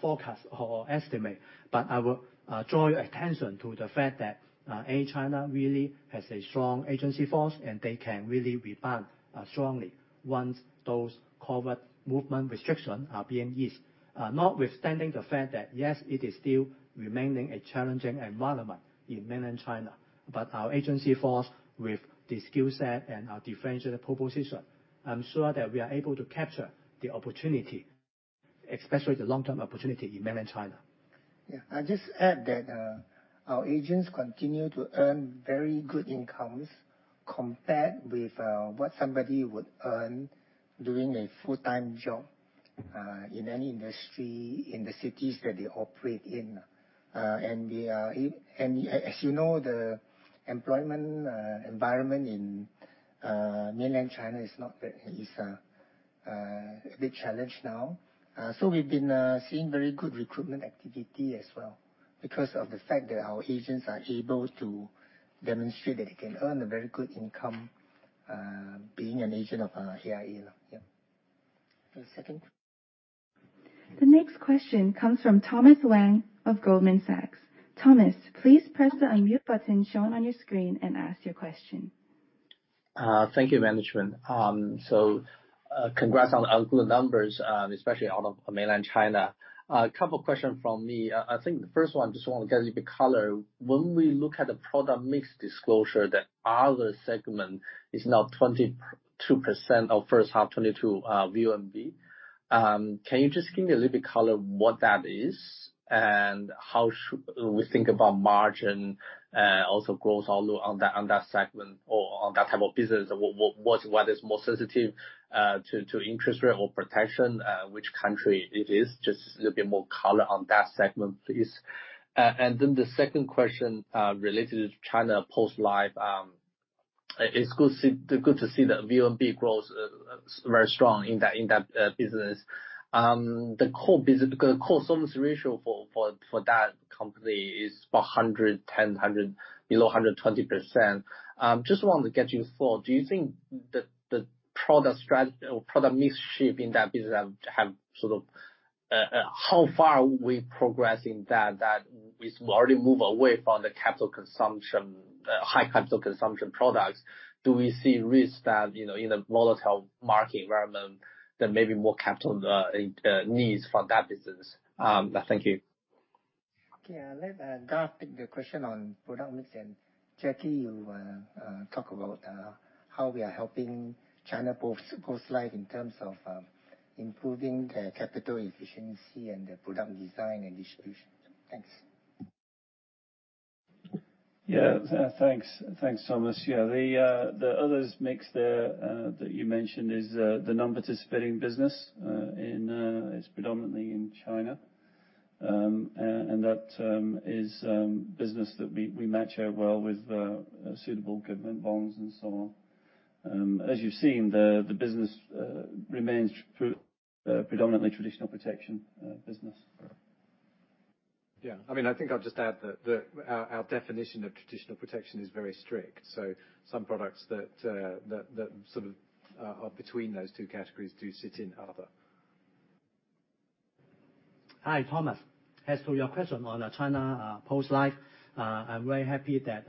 forecast or estimate, but I will draw your attention to the fact that AIA China really has a strong agency force and they can really rebound strongly once those COVID movement restrictions are being eased. Notwithstanding the fact that, yes, it is still remaining a challenging environment in mainland China, but our agency force with the skill set and our differentiated proposition, I'm sure that we are able to capture the opportunity, especially the long-term opportunity in mainland China. I'll just add that our agents continue to earn very good incomes compared with what somebody would earn doing a full-time job in any industry in the cities that they operate in. As you know, the employment environment in mainland China is not very easy, a big challenge now. We've been seeing very good recruitment activity as well because of the fact that our agents are able to demonstrate that they can earn a very good income being an agent of AIA. Yeah. Any second? The next question comes from Thomas Wang of Goldman Sachs. Thomas, please press the unmute button shown on your screen and ask your question. Thank you management. Congrats on good numbers, especially out of mainland China. A couple questions from me. I think the first one, just want to get a bit color. When we look at the product mix disclosure, that other segment is now 22% of first half 2022 VONB. Can you just give me a little bit color what that is and how we think about margin, also growth on that segment or on that type of business? What is more sensitive to interest rate or protection? Which country it is? Just a little bit more color on that segment, please. The second question, related to China Post Life. It's good to see the VNB growth, very strong in that business. The core solvency ratio for that company is 110% under 120%. Just wanted to get your thought. Do you think the product strategy or product mix shift in that business have sort of how far are we progressing that we already move away from the capital consumption, high capital consumption products? Do we see risk that, you know, in a volatile market environment, there may be more capital needs for that business? Thank you. Okay. I'll let Garth take the question on product mix, and Jackie, you talk about how we are helping China Post Life in terms of improving the capital efficiency and the product design and distribution. Thanks. Thanks Thomas. The other mix that you mentioned is the non-participating business. It's predominantly in China. That is business that we match it well with suitable government bonds and so on. As you've seen, the business remains true to predominantly traditional protection business. Yeah. I mean, I think I'll just add that our definition of traditional protection is very strict, so some products that sort of are between those two categories do sit in other. Hi Thomas. As to your question on the China Post Life, I'm very happy that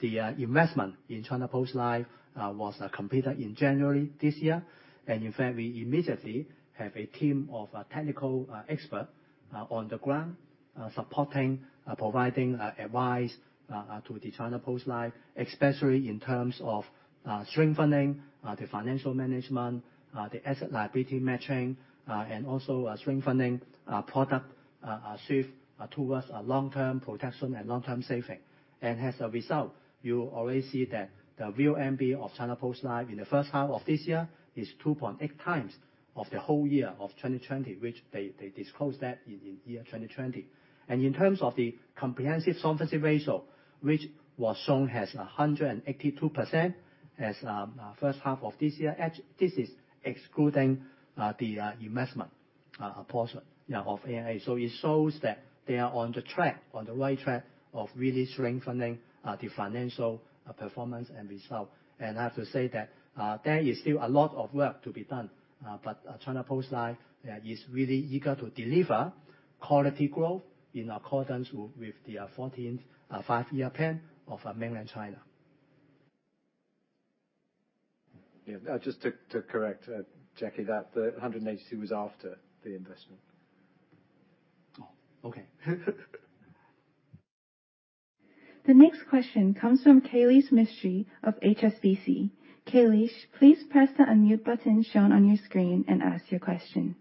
the investment in China Post Life was completed in January this year. In fact, we immediately have a team of technical expert on the ground supporting providing advice to the China Post Life, especially in terms of strengthening the financial management, the asset liability matching, and also strengthening product shift towards long-term protection and long-term saving. As a result, you already see that the VNB of China Post Life in the first half of this year is 2.8x of the whole year of 2020, which they disclosed that in year 2020. In terms of the comprehensive solvency ratio, which was shown as 182% as of first half of this year. Actually, this is excluding the investment portion of AIA. It shows that they are on the track, on the right track of really strengthening the financial performance and result. I have to say that there is still a lot of work to be done, but China Post Life is really eager to deliver quality growth in accordance with the 14th five-year plan of Mainland China. Yeah. Just to correct, Jackie, that the 182% was after the investment. Oh, okay. The next question comes from Kailesh Mistry of HSBC. Kailesh, please press the mute button shown on your screen and ask your question.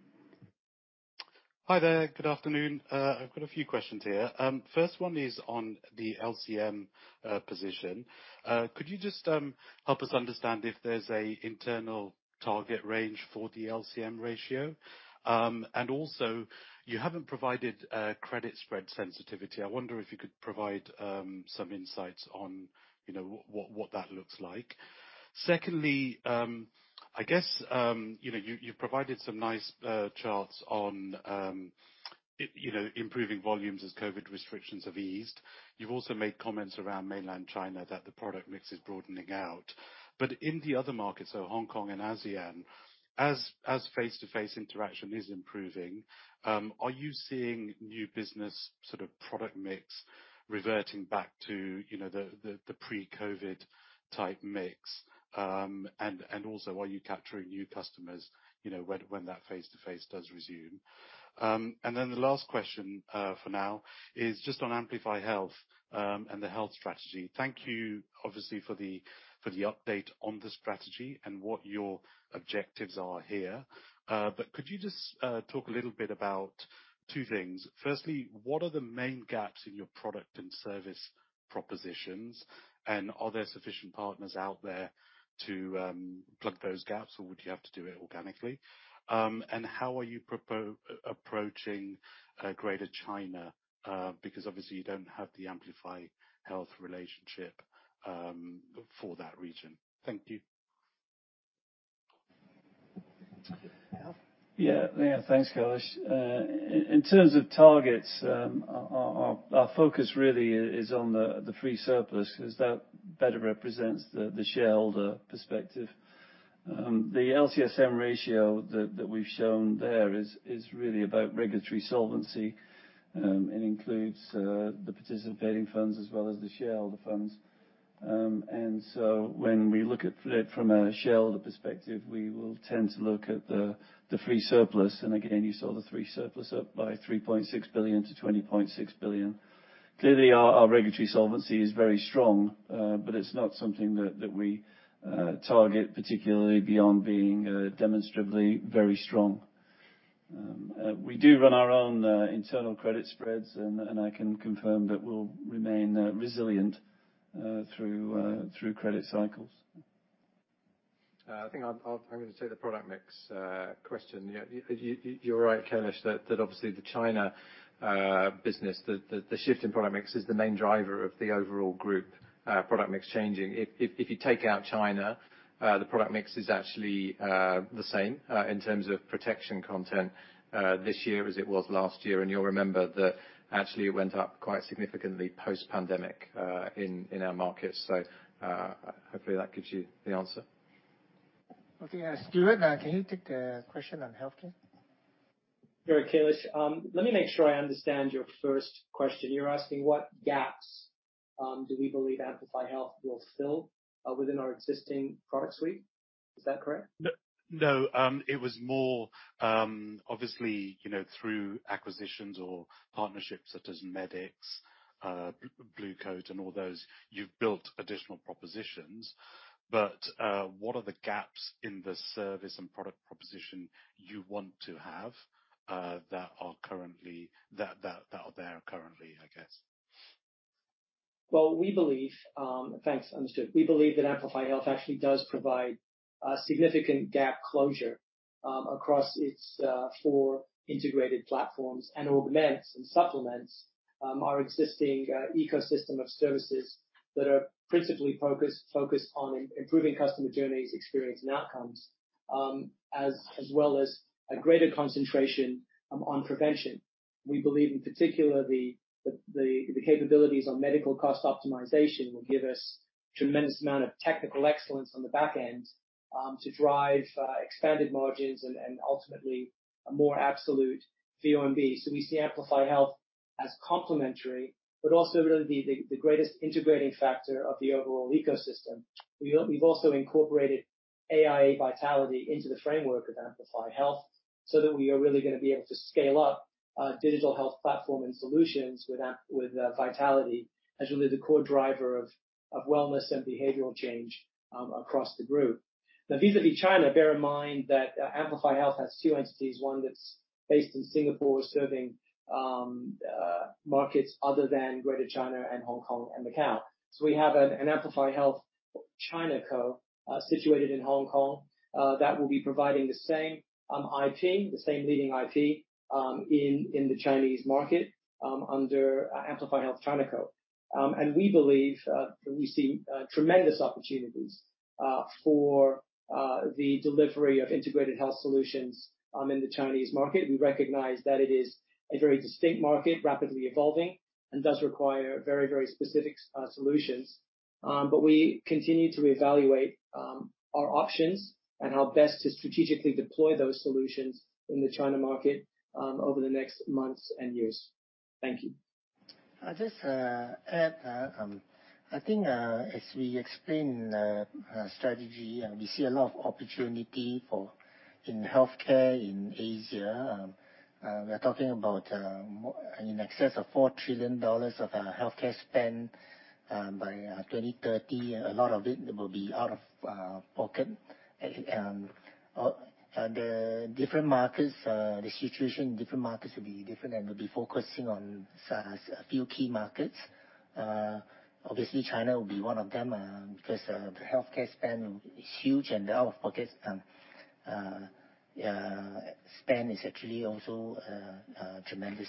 Hi there. Good afternoon. I've got a few questions here. First one is on the LCSM position. Could you just help us understand if there's an internal target range for the LCSM ratio? And also, you haven't provided credit spread sensitivity. I wonder if you could provide some insights on, you know, what that looks like. Secondly, I guess, you know, you've provided some nice charts on improving volumes as COVID restrictions have eased. You've also made comments around Mainland China that the product mix is broadening out. In the other markets, so Hong Kong and ASEAN, as face-to-face interaction is improving, are you seeing new business sort of product mix reverting back to, you know, the pre-COVID type mix? Also, are you capturing new customers, you know, when that face-to-face does resume? Then the last question, for now is just on Amplify Health, and the health strategy. Thank you, obviously, for the update on the strategy and what your objectives are here. Could you just talk a little bit about two things. Firstly, what are the main gaps in your product and service propositions? Are there sufficient partners out there to plug those gaps, or would you have to do it organically? How are you approaching Greater China? Because obviously you don't have the Amplify Health relationship, for that region. Thank you. Garth. Yeah. Yeah thanks Kailesh. In terms of targets, our focus really is on the free surplus, 'cause that better represents the shareholder perspective. The LCSM ratio that we've shown there is really about regulatory solvency. It includes the participating firms as well as the shareholder firms. When we look at it from a shareholder perspective, we will tend to look at the free surplus. Again, you saw the free surplus up by $3.6 billion-$20.6 billion. Clearly, our regulatory solvency is very strong, but it's not something that we target particularly beyond being demonstratively very strong. We do run our own internal credit spreads and I can confirm that we'll remain resilient through credit cycles. I think I'm gonna take the product mix question. You're right, Kailesh, that obviously the China business, the shift in product mix is the main driver of the overall group product mix changing. If you take out China, the product mix is actually the same in terms of protection content this year as it was last year. You'll remember that actually it went up quite significantly post-pandemic in our markets, so hopefully that gives you the answer. Okay. Stuart, can you take the question on healthcare? Sure, Kailesh. Let me make sure I understand your first question. You're asking what gaps do we believe Amplify Health will fill within our existing product suite? Is that correct? No, no. It was more, obviously, you know, through acquisitions or partnerships such as Medix, Blue Cross and all those, you've built additional propositions. What are the gaps in the service and product proposition you want to have, that are there currently, I guess? We believe that Amplify Health actually does provide a significant gap closure across its four integrated platforms and augments and supplements our existing ecosystem of services that are principally focused on improving customer journeys, experience and outcomes, as well as a greater concentration on prevention. We believe in particular the capabilities on medical cost optimization will give us tremendous amount of technical excellence on the back end to drive expanded margins and ultimately a more absolute VONB. We see Amplify Health as complementary, but also really the greatest integrating factor of the overall ecosystem. We've also incorporated AIA Vitality into the framework of Amplify Health so that we are really gonna be able to scale up digital health platform and solutions with Vitality as really the core driver of wellness and behavioral change across the group. Now, vis-à-vis China, bear in mind that Amplify Health has two entities, one that's based in Singapore serving markets other than Greater China and Hong Kong and Macau. We have an Amplify Health ChinaCo situated in Hong Kong that will be providing the same IP, the same leading IP in the Chinese market under Amplify Health ChinaCo. We believe we see tremendous opportunities for the delivery of integrated health solutions in the Chinese market. We recognize that it is a very distinct market, rapidly evolving and does require very, very specific solutions. We continue to evaluate our options and how best to strategically deploy those solutions in the China market over the next months and years. Thank you. I'll just add, I think, as we explained in the strategy, we see a lot of opportunity for in healthcare in Asia. We are talking about in excess of $4 trillion of healthcare spend by 2030. A lot of it will be out of pocket. The different markets, the situation in different markets will be different, and we'll be focusing on a few key markets. Obviously China will be one of them because the healthcare spend is huge and the out-of-pocket spend is actually also tremendous.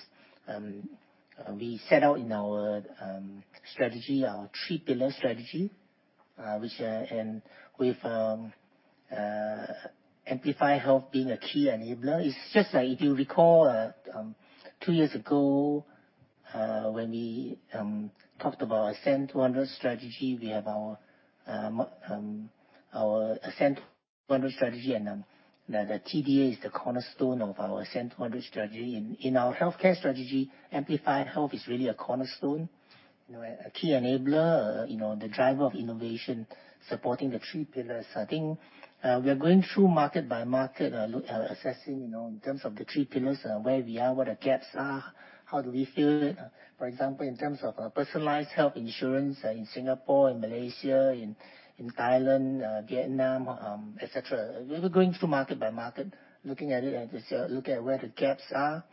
We set out in our strategy, our three pillar strategy, which and with Amplify Health being a key enabler. It's just like if you recall, two years ago, when we talked about Ascend 200 strategy, we have our Ascend 200 strategy and the TDA is the cornerstone of our Ascend 200 strategy. In our healthcare strategy, Amplify Health is really a cornerstone, you know, a key enabler, you know, the driver of innovation supporting the three pillars. I think we are going through market by market, assessing, you know, in terms of the three pillars, where we are, what the gaps are, how do we fill it. For example, in terms of personalized health insurance in Singapore and Malaysia, in Thailand, Vietnam, et cetera. We're going through market by market, looking at it and to see. Look at where the gaps are,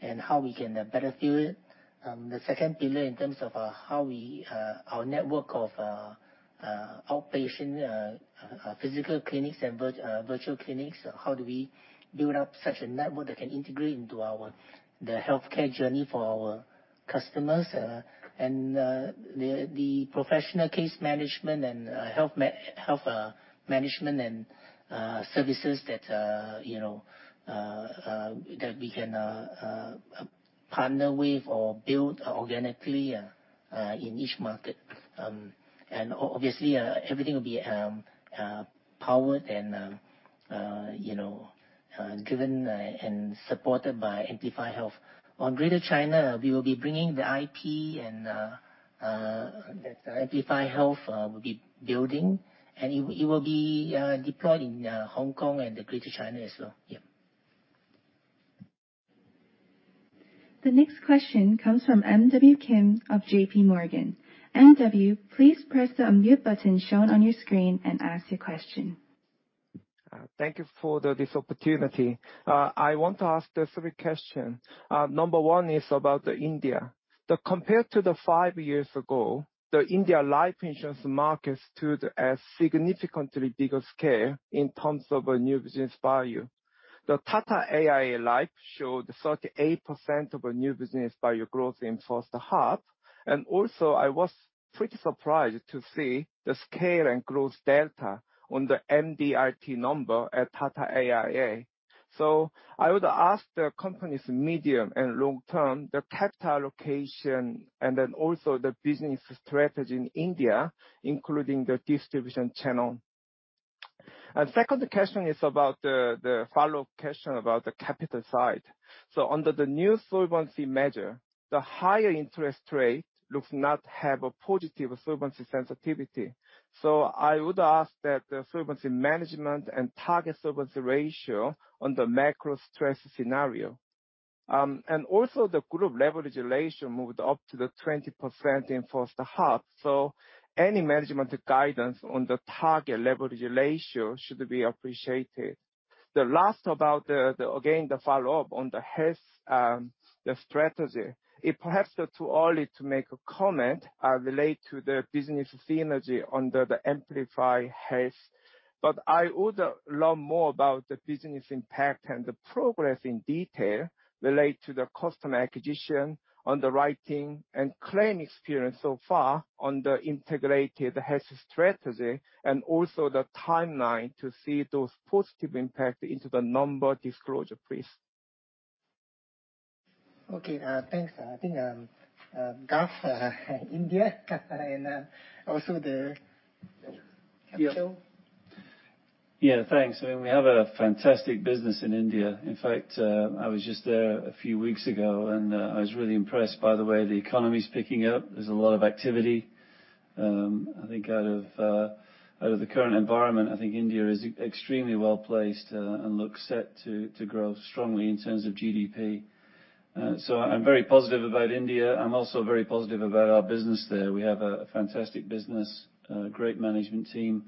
and how we can better fill it. The second pillar in terms of how we our network of outpatient physical clinics and virtual clinics, how do we build up such a network that can integrate into our the healthcare journey for our customers. The professional case management and health management and services that you know that we can partner with or build organically in each market. Obviously, everything will be powered and you know driven and supported by Amplify Health. On Greater China, we will be bringing the IP and Amplify Health will be building, and it will be deployed in Hong Kong and the Greater China as well. Yeah. The next question comes from MW Kim of JPMorgan. MW, please press the mute button shown on your screen and ask your question. Thank you for this opportunity. I want to ask three questions. Number one is about India. Compared to five years ago, the India life insurance market stood at significantly bigger scale in terms of new business value. The Tata AIA Life showed 38% of new business value growth in first half. I was pretty surprised to see the scale and growth delta on the MDRT number at Tata AIA. I would ask the company's medium and long-term, the capital allocation and then also the business strategy in India, including the distribution channel. Second question is about the follow question about the capital side. Under the new solvency measure, the higher interest rate does not have a positive solvency sensitivity. I would ask that the solvency management and target solvency ratio on the macro stress scenario. Also, the group leverage ratio moved up to 20% in first half. Any management guidance on the target leverage ratio should be appreciated. The last about the again the follow-up on the health strategy. It perhaps too early to make a comment relate to the business synergy under Amplify Health. I would love more about the business impact and the progress in detail relate to the customer acquisition, underwriting, and claim experience so far on the integrated health strategy and also the timeline to see those positive impact into the number disclosure, please. Okay. Thanks. I think, Garth, India and also the capital. Yeah yeah thanks I mean, we have a fantastic business in India. In fact, I was just there a few weeks ago, and I was really impressed by the way the economy is picking up. There's a lot of activity. I think out of the current environment, I think India is extremely well-placed, and looks set to grow strongly in terms of GDP. I'm very positive about India. I'm also very positive about our business there. We have a fantastic business, great management team.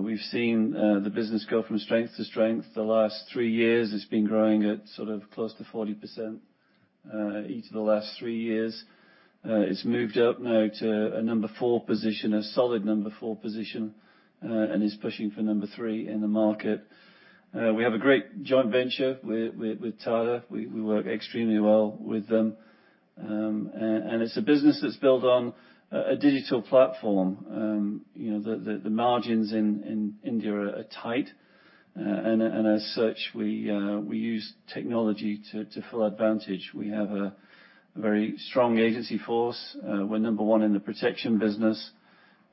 We've seen the business go from strength to strength. The last three years, it's been growing at sort of close to 40%, each of the last three years. It's moved up now to a number four position, a solid number four position, and is pushing for number three in the market. We have a great joint venture with Tata. We work extremely well with them. It's a business that's built on a digital platform. You know, the margins in India are tight. And as such, we use technology to full advantage. We have a very strong agency force. We're number one in the protection business.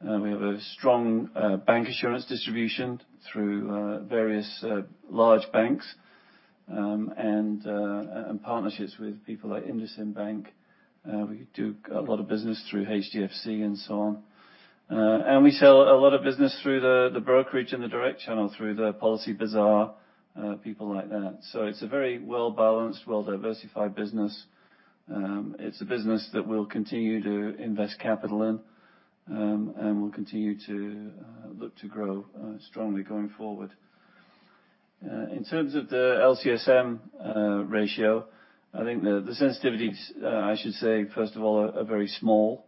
We have a strong bank insurance distribution through various large banks, and partnerships with people like IndusInd Bank. We do a lot of business through HDFC and so on. We sell a lot of business through the brokerage and the direct channel, through the PolicyBazaar, people like that. It's a very well-balanced, well-diversified business. It's a business that we'll continue to invest capital in, and we'll continue to look to grow strongly going forward. In terms of the LCSM ratio, I think the sensitivities, I should say, first of all, are very small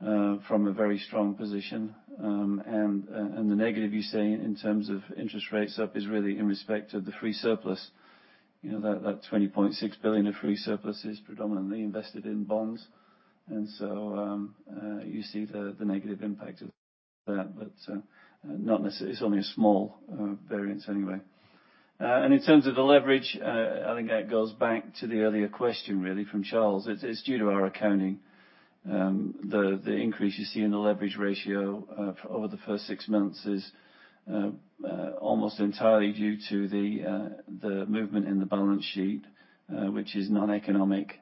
from a very strong position. The negative you're seeing in terms of interest rates up is really in respect of the free surplus. You know, that $20.6 billion of free surplus is predominantly invested in bonds. You see the negative impact of that, but it's only a small variance anyway. In terms of the leverage, I think that goes back to the earlier question, really from Charles. It's due to our accounting. The increase you see in the leverage ratio over the first six months is almost entirely due to the movement in the balance sheet, which is non-economic.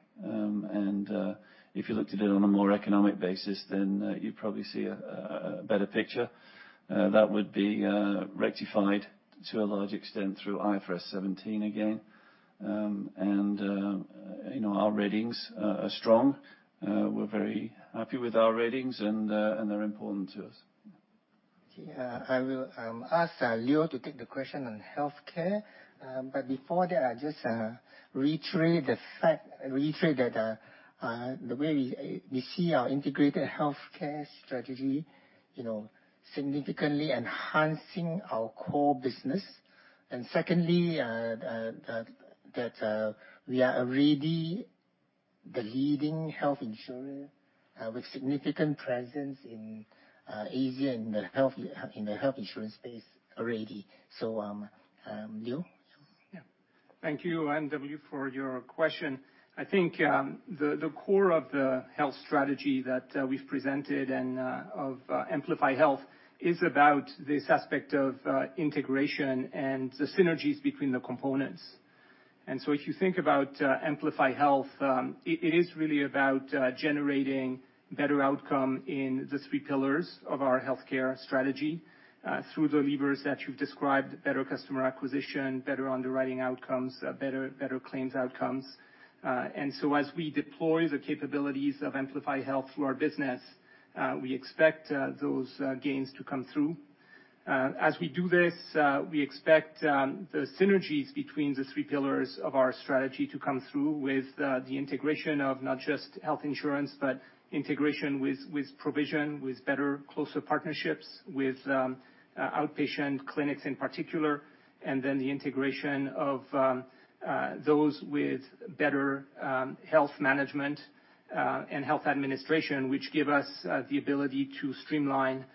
If you looked at it on a more economic basis, you'd probably see a better picture that would be rectified to a large extent through IFRS 17 again. You know, our ratings are strong. We're very happy with our ratings, and they're important to us. Okay. I will ask Leo to take the question on healthcare. Before that, I just reiterate that the way we see our integrated healthcare strategy, you know, significantly enhancing our core business. Secondly, that we are already the leading health insurer with significant presence in Asia in the health insurance space already. Leo. Yeah thank you MW for your question. I think the core of the health strategy that we've presented and of Amplify Health is about this aspect of integration and the synergies between the components. If you think about Amplify Health, it is really about generating better outcome in the three pillars of our healthcare strategy through the levers that you've described, better customer acquisition, better underwriting outcomes, better claims outcomes. As we deploy the capabilities of Amplify Health through our business, we expect those gains to come through. As we do this, we expect the synergies between the three pillars of our strategy to come through with the integration of not just health insurance, but integration with provision, with better closer partnerships with outpatient clinics in particular, and then the integration of those with better health management and health administration, which give us the ability to streamline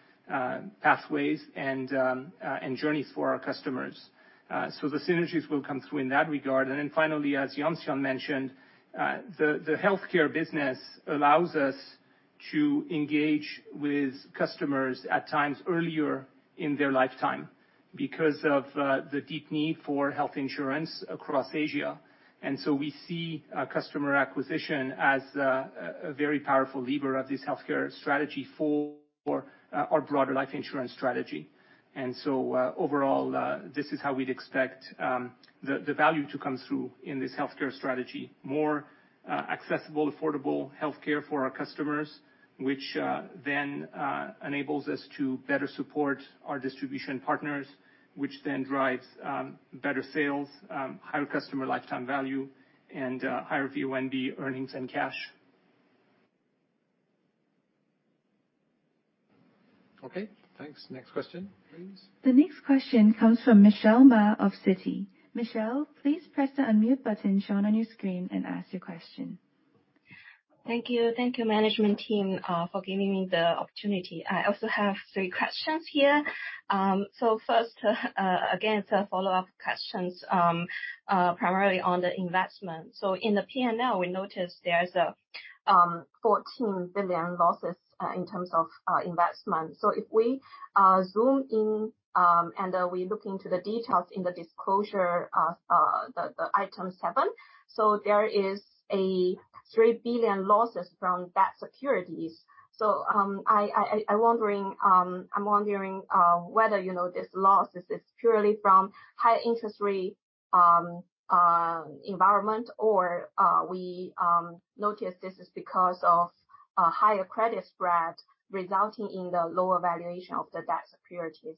pathways and journeys for our customers. The synergies will come through in that regard. Finally, as Lee Yuan Siong mentioned, the healthcare business allows us to engage with customers at times earlier in their lifetime because of the deep need for health insurance across Asia. We see customer acquisition as a very powerful lever of this healthcare strategy for our broader life insurance strategy. Overall, this is how we'd expect the value to come through in this healthcare strategy. More accessible, affordable healthcare for our customers, which then enables us to better support our distribution partners, which then drives better sales, higher customer lifetime value, and higher VNB earnings and cash. Okay thanks. Next question, please. The next question comes from Michelle Ma of Citi. Michelle, please press the unmute button shown on your screen and ask your question. Thank you. Thank you, management team, for giving me the opportunity. I also have three questions here. First, again, to follow up questions, primarily on the investment. In the P&L, we noticed there is $14 billion losses in terms of investment. If we zoom in and we look into the details in the disclosure, the Item 7. There is a $3 billion losses from debt securities. I'm wondering whether, you know, this loss is purely from high interest rate environment or we notice this is because of higher credit spreads resulting in the lower valuation of the debt securities.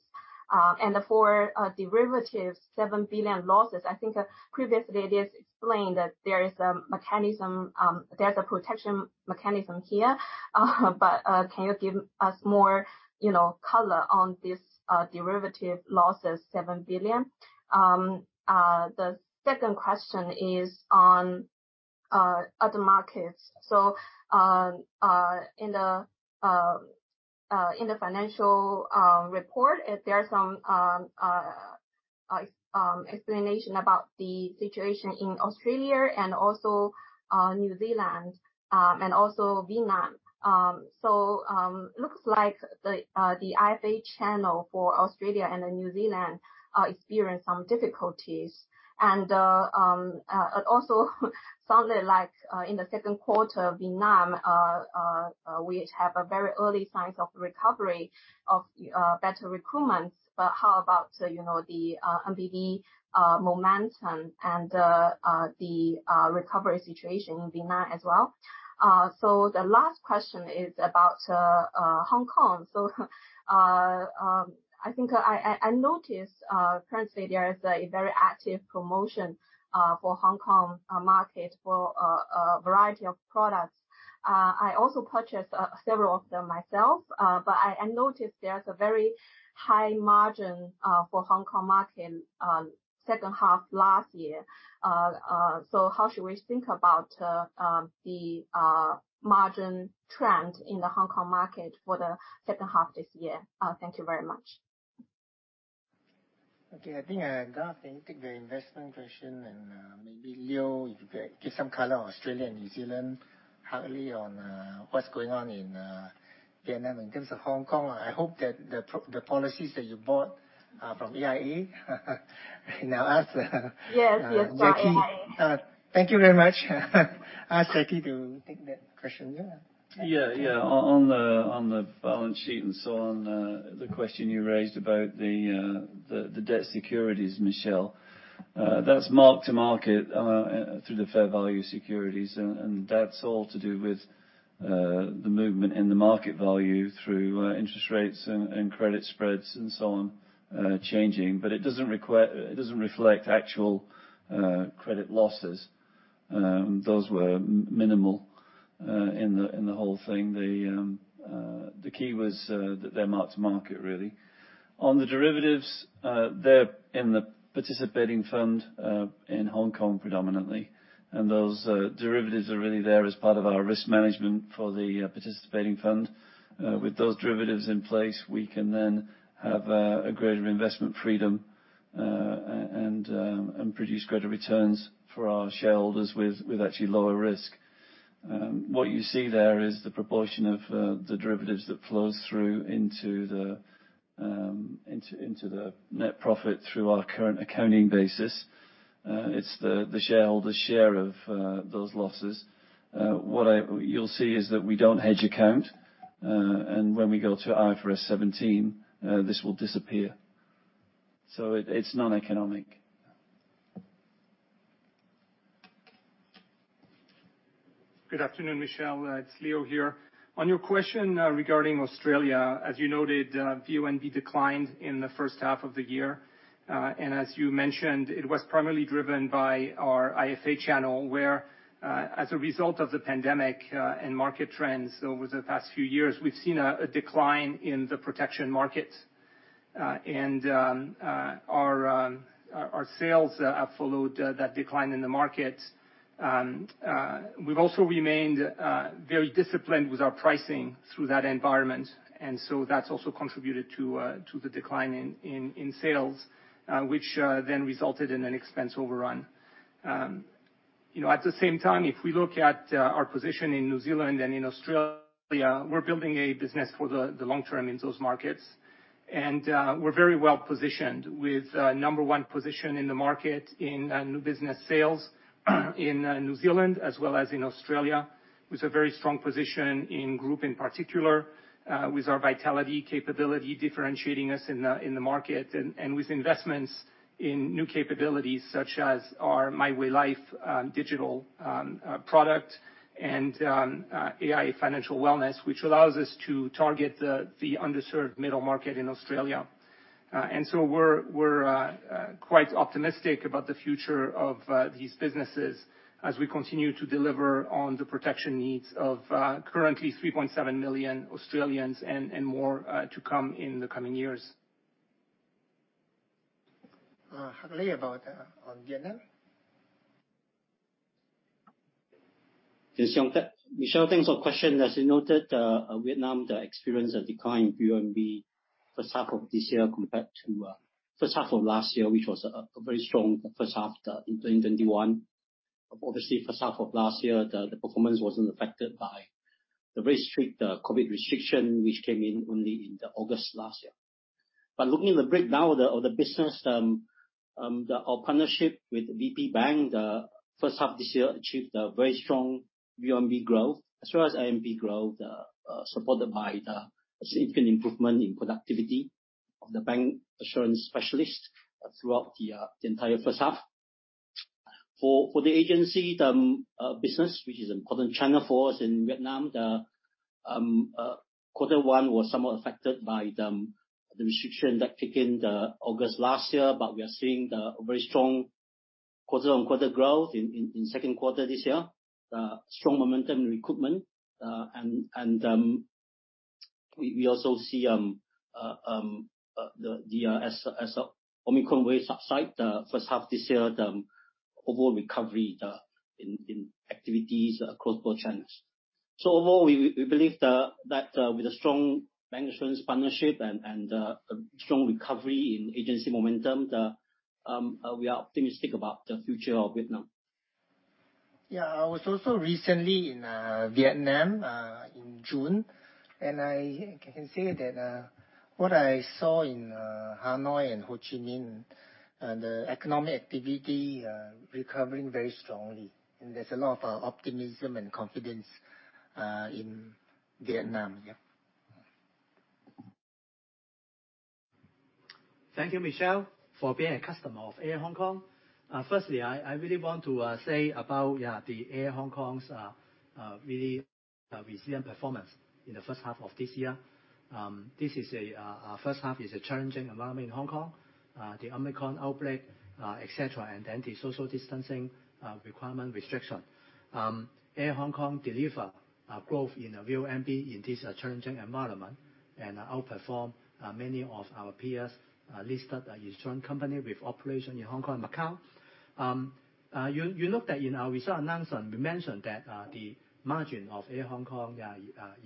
For derivatives, $7 billion losses, I think previously it is explained that there is a mechanism, there's a protection mechanism here. Can you give us more, you know, color on this derivative losses, $7 billion? The second question is on other markets. In the financial report, there are some explanation about the situation in Australia and also New Zealand and also Vietnam. Looks like the IFA channel for Australia and New Zealand experienced some difficulties. It also sounded like, in the second quarter, Vietnam we have a very early signs of recovery of better recruitments. How about, you know, the MBV momentum and the recovery situation in Vietnam as well? The last question is about Hong Kong. I think I noticed currently there is a very active promotion for Hong Kong market for a variety of products. I also purchased several of them myself. I noticed there's a very high margin for Hong Kong market in second half last year. How should we think about the margin trend in the Hong Kong market for the second half this year? Thank you very much. Okay. I think Garth can take the investment question and maybe Leo, if you can give some color on Australia and New Zealand, Hardi on what's going on in Vietnam. In terms of Hong Kong, I hope that the policies that you bought are from AIA Now, as Yes yes. Jackie thank you very much. Ask Jackie to take that question. Yeah. Yeah. On the balance sheet and so on, the question you raised about the debt securities, Michelle, that's mark to market through the fair value securities, and that's all to do with the movement in the market value through interest rates and credit spreads and so on changing. It doesn't reflect actual credit losses. Those were minimal in the whole thing. The key was that they're mark to market, really. On the derivatives, they're in the participating fund in Hong Kong, predominantly. Those derivatives are really there as part of our risk management for the participating fund. With those derivatives in place, we can then have a greater investment freedom and produce greater returns for our shareholders with actually lower risk. What you see there is the proportion of the derivatives that flows through into the net profit through our current accounting basis. It's the shareholders' share of those losses. What you'll see is that we don't hedge accounting. When we go to IFRS 17, this will disappear. It's non-economic. Good afternoon Michelle. It's Leo here. On your question regarding Australia, as you noted, VONB declined in the first half of the year. As you mentioned, it was primarily driven by our IFA channel, where, as a result of the pandemic and market trends over the past few years, we've seen a decline in the protection market. Our sales followed that decline in the market. We've also remained very disciplined with our pricing through that environment. That's also contributed to the decline in sales, which then resulted in an expense overrun. You know, at the same time, if we look at our position in New Zealand and in Australia, we're building a business for the long term in those markets. We're very well-positioned with number one position in the market in new business sales in New Zealand as well as in Australia, with a very strong position in group in particular, with our Vitality capability differentiating us in the market. With investments in new capabilities, such as our MiWayLife digital product and AIA Financial Wellness, which allows us to target the underserved middle market in Australia. We're quite optimistic about the future of these businesses as we continue to deliver on the protection needs of currently 3.7 million Australians and more to come in the coming years. Tan Hak Leh about on Vietnam. Yes. Tan Hak Leh. Michelle Ma thanks for question. As you noted, Vietnam, the experience of decline VONB first half of this year compared to first half of last year, which was a very strong first half in 2021. Obviously, first half of last year, the performance wasn't affected by the very strict COVID restriction which came in only in August last year. Looking at the breakdown of the business, our partnership with VP Bank, the first half this year achieved a very strong VONB growth as well as ANP growth, supported by the significant improvement in productivity of the bank assurance specialist throughout the entire first half. For the agency business, which is an important channel for us in Vietnam, the quarter one was somewhat affected by the restriction that kicked in August last year, but we are seeing a very strong quarter-on-quarter growth in second quarter this year. The strong momentum in recruitment and we also see, as the Omicron wave subsides in the first half this year, the overall recovery in activities across both channels. Overall, we believe that with the strong bancassurance partnership and strong recovery in agency momentum, we are optimistic about the future of Vietnam. Yeah I was also recently in Vietnam in June. I can say that what I saw in Hanoi and Ho Chi Minh, the economic activity recovering very strongly. There's a lot of optimism and confidence in Vietnam. Yeah. Thank you Michelle for being a customer of AIA Hong Kong. Firstly, I really want to say about the AIA Hong Kong's really resilient performance in the first half of this year. This first half is a challenging environment in Hong Kong. The Omicron outbreak, et cetera, and then the social distancing requirement restriction. AIA Hong Kong deliver growth in a VONB in this challenging environment and outperform many of our peers, listed insurance company with operation in Hong Kong and Macau. You looked at, you know, result announcement, we mentioned that the margin of AIA Hong Kong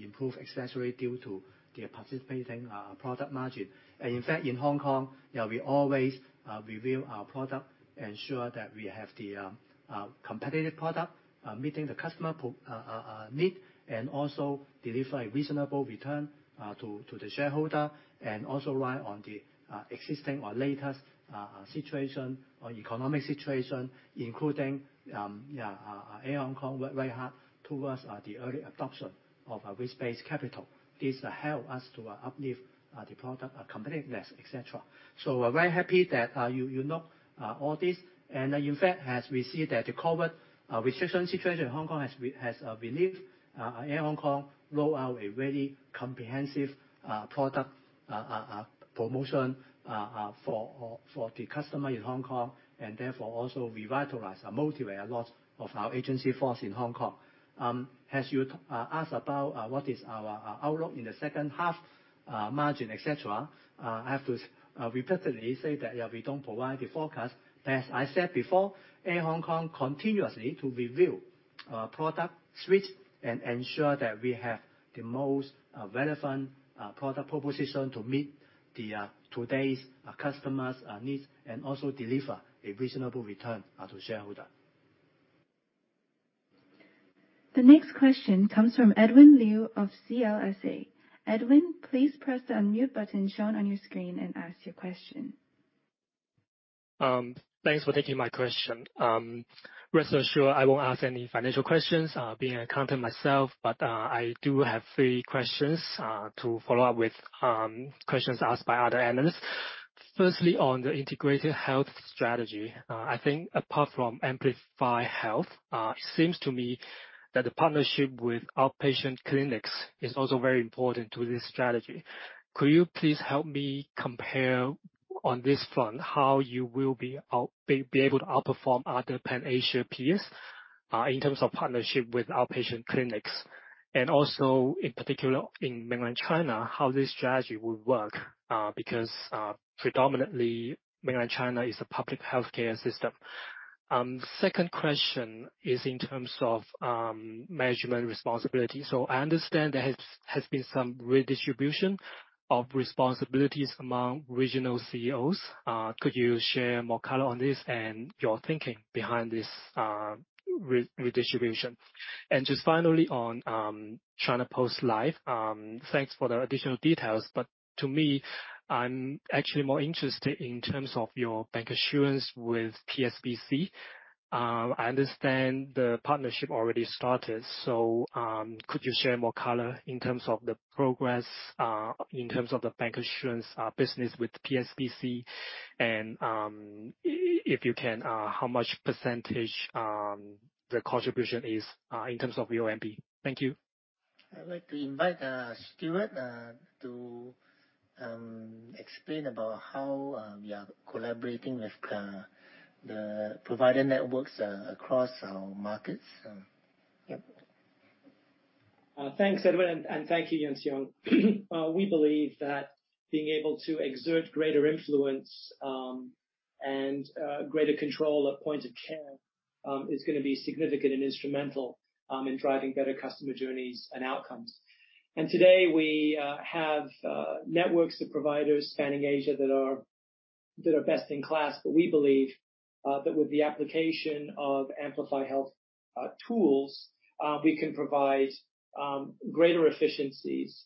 improve especially due to the participating product margin. In fact, in Hong Kong, we always review our product, ensure that we have the competitive product meeting the customer need and also deliver a reasonable return to the shareholder and also ride on the existing or latest situation or economic situation, including AIA Hong Kong work very hard towards the early adoption of a risk-based capital. This help us to uplift the product competitiveness, et cetera. We're very happy that you know all this. In fact, as we see that the COVID restriction situation in Hong Kong has relieved, AIA Hong Kong rolled out a very comprehensive product promotion for the customer in Hong Kong, and therefore also revitalize or motivate a lot of our agency force in Hong Kong. As you asked about what is our outlook in the second half, margin, et cetera, I have to repeatedly say that, yeah, we don't provide the forecast. As I said before, AIA Hong Kong continues to review product suite and ensure that we have the most relevant product proposition to meet today's customers needs and also deliver a reasonable return to shareholder. The next question comes from Edwin Liu of CLSA. Edwin, please press the unmute button shown on your screen and ask your question. Thanks for taking my question. Rest assured I won't ask any financial questions, being an accountant myself, but I do have three questions to follow up with questions asked by other analysts. Firstly, on the integrated health strategy, I think apart from Amplify Health, it seems to me that the partnership with outpatient clinics is also very important to this strategy. Could you please help me compare on this front how you will be able to outperform other Pan-Asian peers in terms of partnership with outpatient clinics? And also, in particular in Mainland China, how this strategy would work, because predominantly Mainland China is a public healthcare system. Second question is in terms of management responsibility. I understand there has been some redistribution of responsibilities among regional CEOs. Could you share more color on this and your thinking behind this redistribution? Just finally on China Post Life, thanks for the additional details, but to me, I'm actually more interested in terms of your bancassurance with PSBC. I understand the partnership already started, so could you share more color in terms of the progress in terms of the bancassurance business with PSBC? If you can, how much percentage the contribution is in terms of your MP. Thank you. I'd like to invite Stuart to explain about how we are collaborating with the provider networks across our markets. Yep. Thanks Edwin and thank you Yuan Siong we believe that being able to exert greater influence and greater control at point of care is gonna be significant and instrumental in driving better customer journeys and outcomes. Today, we have networks of providers spanning Asia that are best in class. We believe that with the application of Amplify Health tools we can provide greater efficiencies,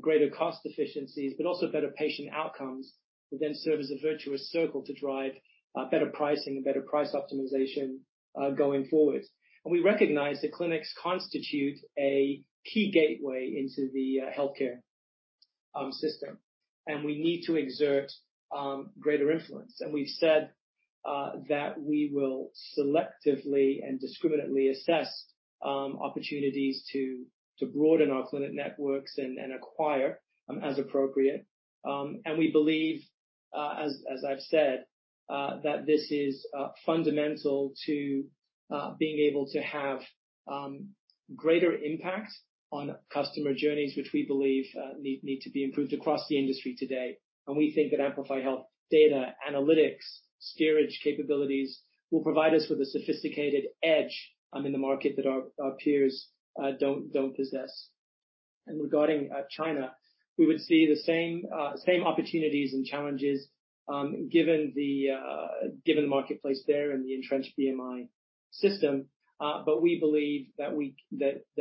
greater cost efficiencies, but also better patient outcomes that then serve as a virtuous circle to drive better pricing and better price optimization going forward. We recognize that clinics constitute a key gateway into the healthcare system. We need to exert greater influence. We've said that we will selectively and discriminatingly assess opportunities to broaden our clinic networks and acquire as appropriate. We believe, as I've said, that this is fundamental to being able to have greater impact on customer journeys, which we believe need to be improved across the industry today. We think that Amplify Health data, analytics, steering capabilities will provide us with a sophisticated edge in the market that our peers don't possess. Regarding China, we would see the same opportunities and challenges given the marketplace there and the entrenched BMI system. We believe that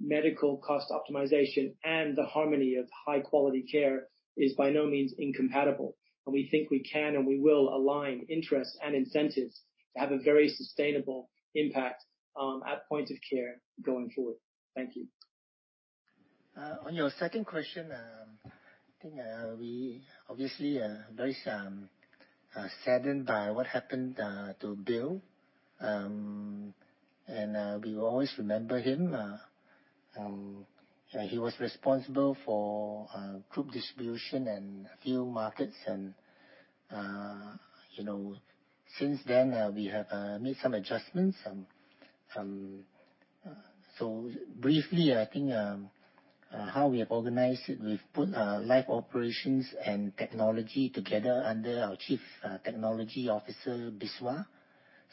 medical cost optimization and the harmony of high quality care is by no means incompatible. We think we can and we will align interests and incentives to have a very sustainable impact, at point of care going forward. Thank you. On your second question, I think we obviously very saddened by what happened to Bill. We will always remember him. He was responsible for group distribution and a few markets and, you know, since then, we have made some adjustments. Briefly, I think how we have organized it, we've put life operations and technology together under our Chief Technology Officer, Biswa,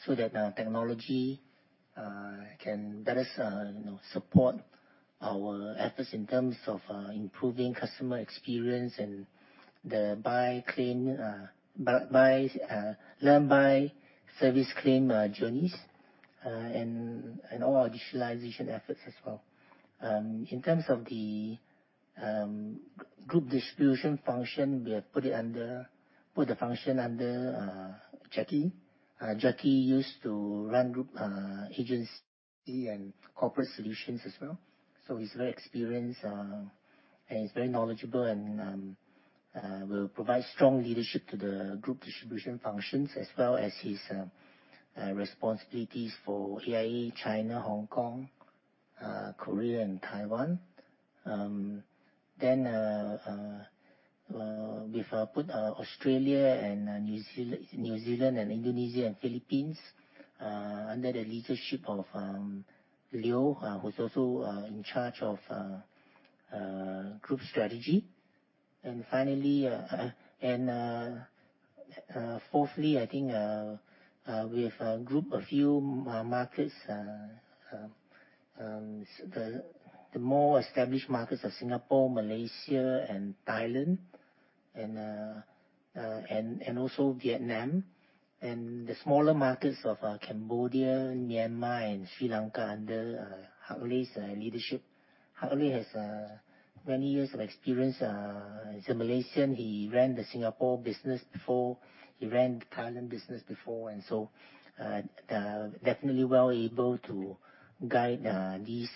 so that our technology can better you know support our efforts in terms of improving customer experience and the buy, learn, service, claim journeys and all our digitalization efforts as well. In terms of the group distribution function, we have put the function under Jackie. Jacky used to run group agency and corporate solutions as well. He's very experienced, and he's very knowledgeable and will provide strong leadership to the group distribution functions, as well as his responsibilities for AIA China, Hong Kong, Korea and Taiwan. We've put Australia and New Zealand and Indonesia and Philippines under the leadership of Leon, who's also in charge of group strategy. Finally, fourthly, I think we've grouped a few markets, the more established markets of Singapore, Malaysia and Thailand and also Vietnam, and the smaller markets of Cambodia, Myanmar and Sri Lanka under Tan Hak Leh's leadership. Tan Hak Leh has many years of experience. As a Malaysian, he ran the Singapore business before. He ran the Thailand business before. Definitely well able to guide these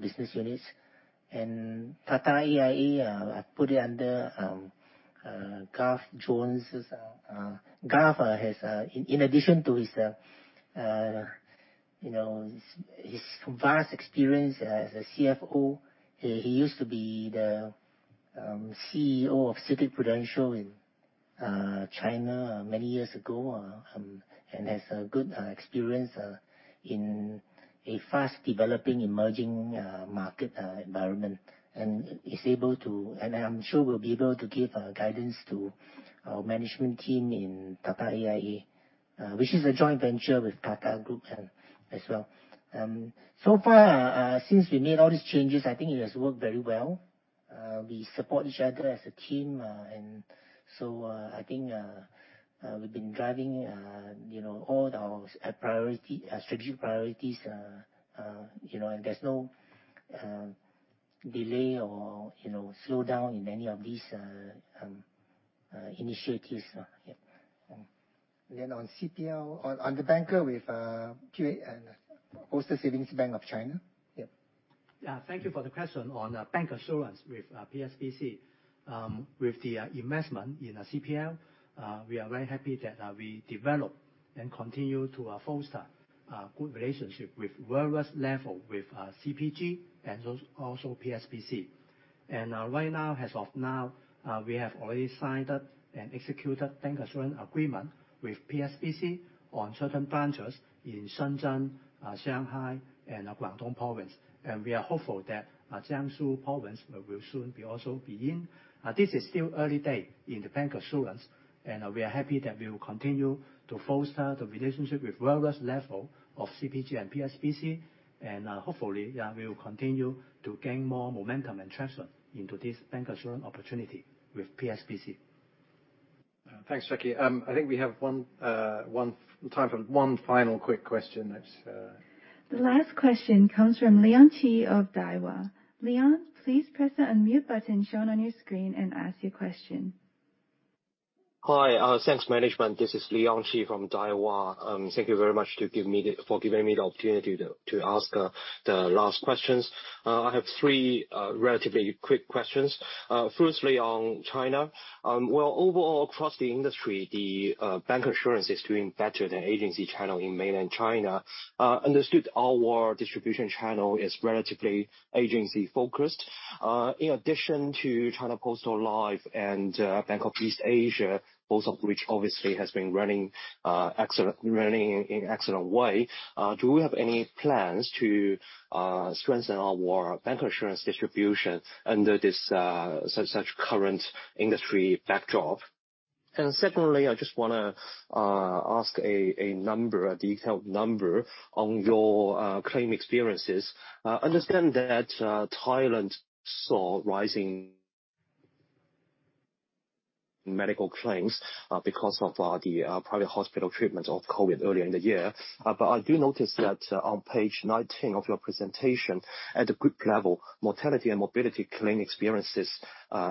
business units. Tata AIA, I put it under Garth Jones's. Garth has, in addition to his, you know, his vast experience as a CFO, he used to be the CEO of CITIC-Prudential in China many years ago, and has a good experience in a fast-developing, emerging market environment, and is able to. I'm sure will be able to give guidance to our management team in Tata AIA, which is a joint venture with Tata Group then as well. So far, since we made all these changes, I think it has worked very well. We support each other as a team, and so, I think, we've been driving, you know, all of our priority, strategic priorities, you know, and there's no delay or, you know, slowdown in any of these initiatives. Yeah. On CPL on the bancassurance with AIA and Postal Savings Bank of China. Yeah. Yeah. Thank you for the question on bank insurance with PSBC. With the investment in CPL, we are very happy that we developed and continue to foster a good relationship with various levels with CPG and those at PSBC. Right now, as of now, we have already signed and executed bank insurance agreement with PSBC on certain branches in Shenzhen, Shanghai and Guangdong Province. We are hopeful that Jiangsu Province will soon be in. This is still early days in the bank insurance, and we are happy that we will continue to foster the relationship with various levels of CPG and PSBC. Hopefully, we will continue to gain more momentum and traction into this bank insurance opportunity with PSBC. Thanks Jacky. I think we have one time for one final quick question. Let's The last question comes from Leon Qi of Daiwa. Leon, please press the unmute button shown on your screen and ask your question. Hi. Thanks management. This is Leon Qi from Daiwa. Thank you very much for giving me the opportunity to ask the last questions. I have three relatively quick questions. Firstly, on China. Well, overall, across the industry, the bank insurance is doing better than agency channel in mainland China. Understood our distribution channel is relatively agency-focused. In addition to China Post Life and Bank of East Asia, both of which obviously has been running in excellent way, do we have any plans to strengthen our bank insurance distribution under this such current industry backdrop? Secondly, I just wanna ask a detailed number on your claim experiences. Understand that Thailand saw rising medical claims because of the private hospital treatment of COVID earlier in the year. I do notice that on page 19 of your presentation, at a group level, mortality and morbidity claim experiences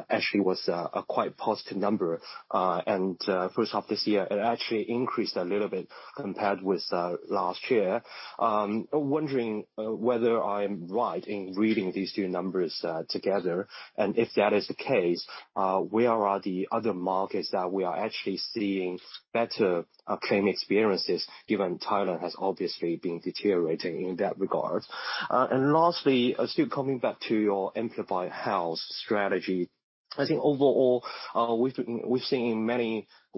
actually was a quite positive number. First half of this year, it actually increased a little bit compared with last year. Wondering whether I'm right in reading these two numbers together. If that is the case, where are the other markets that we are actually seeing better claim experiences, given Thailand has obviously been deteriorating in that regard? Lastly, still coming back to your Amplify Health strategy. I think overall, we've seen in many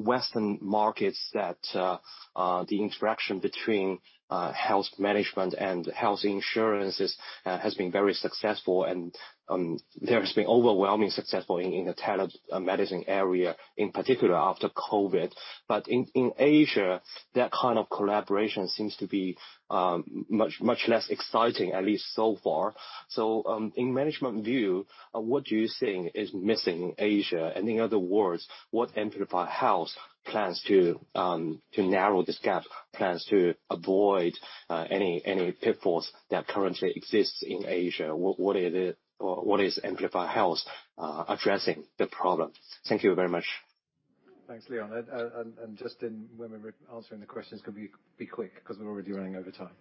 Western markets that the interaction between health management and health insurances has been very successful. There has been overwhelming success in the telemedicine area, in particular after COVID. In Asia, that kind of collaboration seems to be much less exciting, at least so far. In management view, what do you think is missing in Asia? In other words, what Amplify Health plans to narrow this gap, plans to avoid any pitfalls that currently exists in Asia? What is it or what is Amplify Health addressing the problem? Thank you very much. Thanks Leon. When we're answering the questions can be quick, 'cause we're already running over time.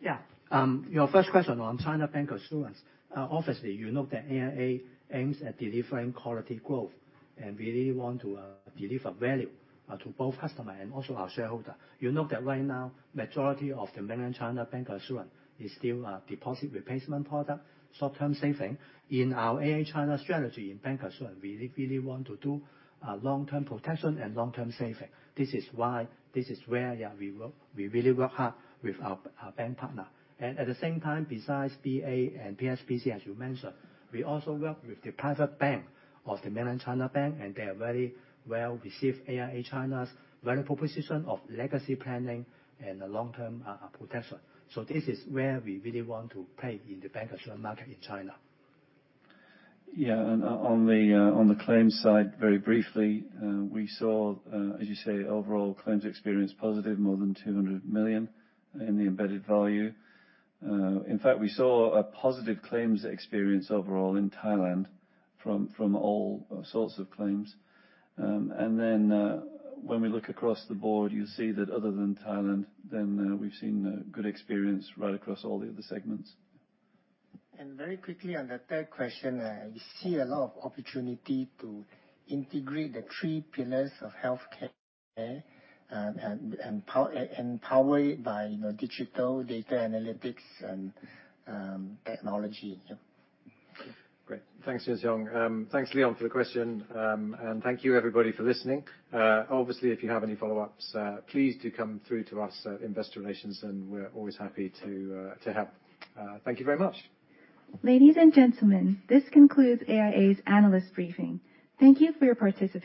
Yeah. Your first question on China bank insurance. Obviously, you know that AIA aims at delivering quality growth, and we really want to deliver value to both customer and also our shareholder. You know that right now, majority of the mainland China bank insurance is still deposit replacement product, short-term saving. In our AIA China strategy in bank insurance, we really want to do long-term protection and long-term saving. This is why, this is where we work, we really work hard with our bank partner. At the same time, besides BA and PSBC, as you mentioned, we also work with the private bank of the mainland China Bank, and they are very well received AIA China's value proposition of legacy planning and the long-term protection. This is where we really want to play in the bank insurance market in China. Yeah. On the claims side, very briefly, we saw, as you say, overall claims experience positive more than $200 million in the embedded value. In fact, we saw a positive claims experience overall in Thailand from all sorts of claims. When we look across the board, you'll see that other than Thailand, then, we've seen good experience right across all the other segments. Very quickly on the third question. We see a lot of opportunity to integrate the three pillars of healthcare, empowered by, you know, digital data analytics and technology. Yeah. Great. Thanks Lee Yuan Siong. Thanks, Leon Qi for the question. Thank you everybody for listening. Obviously, if you have any follow-ups, please do come through to us, Investor Relations, and we're always happy to help. Thank you very much. Ladies and gentlemen, this concludes AIA's analyst briefing. Thank you for your participation.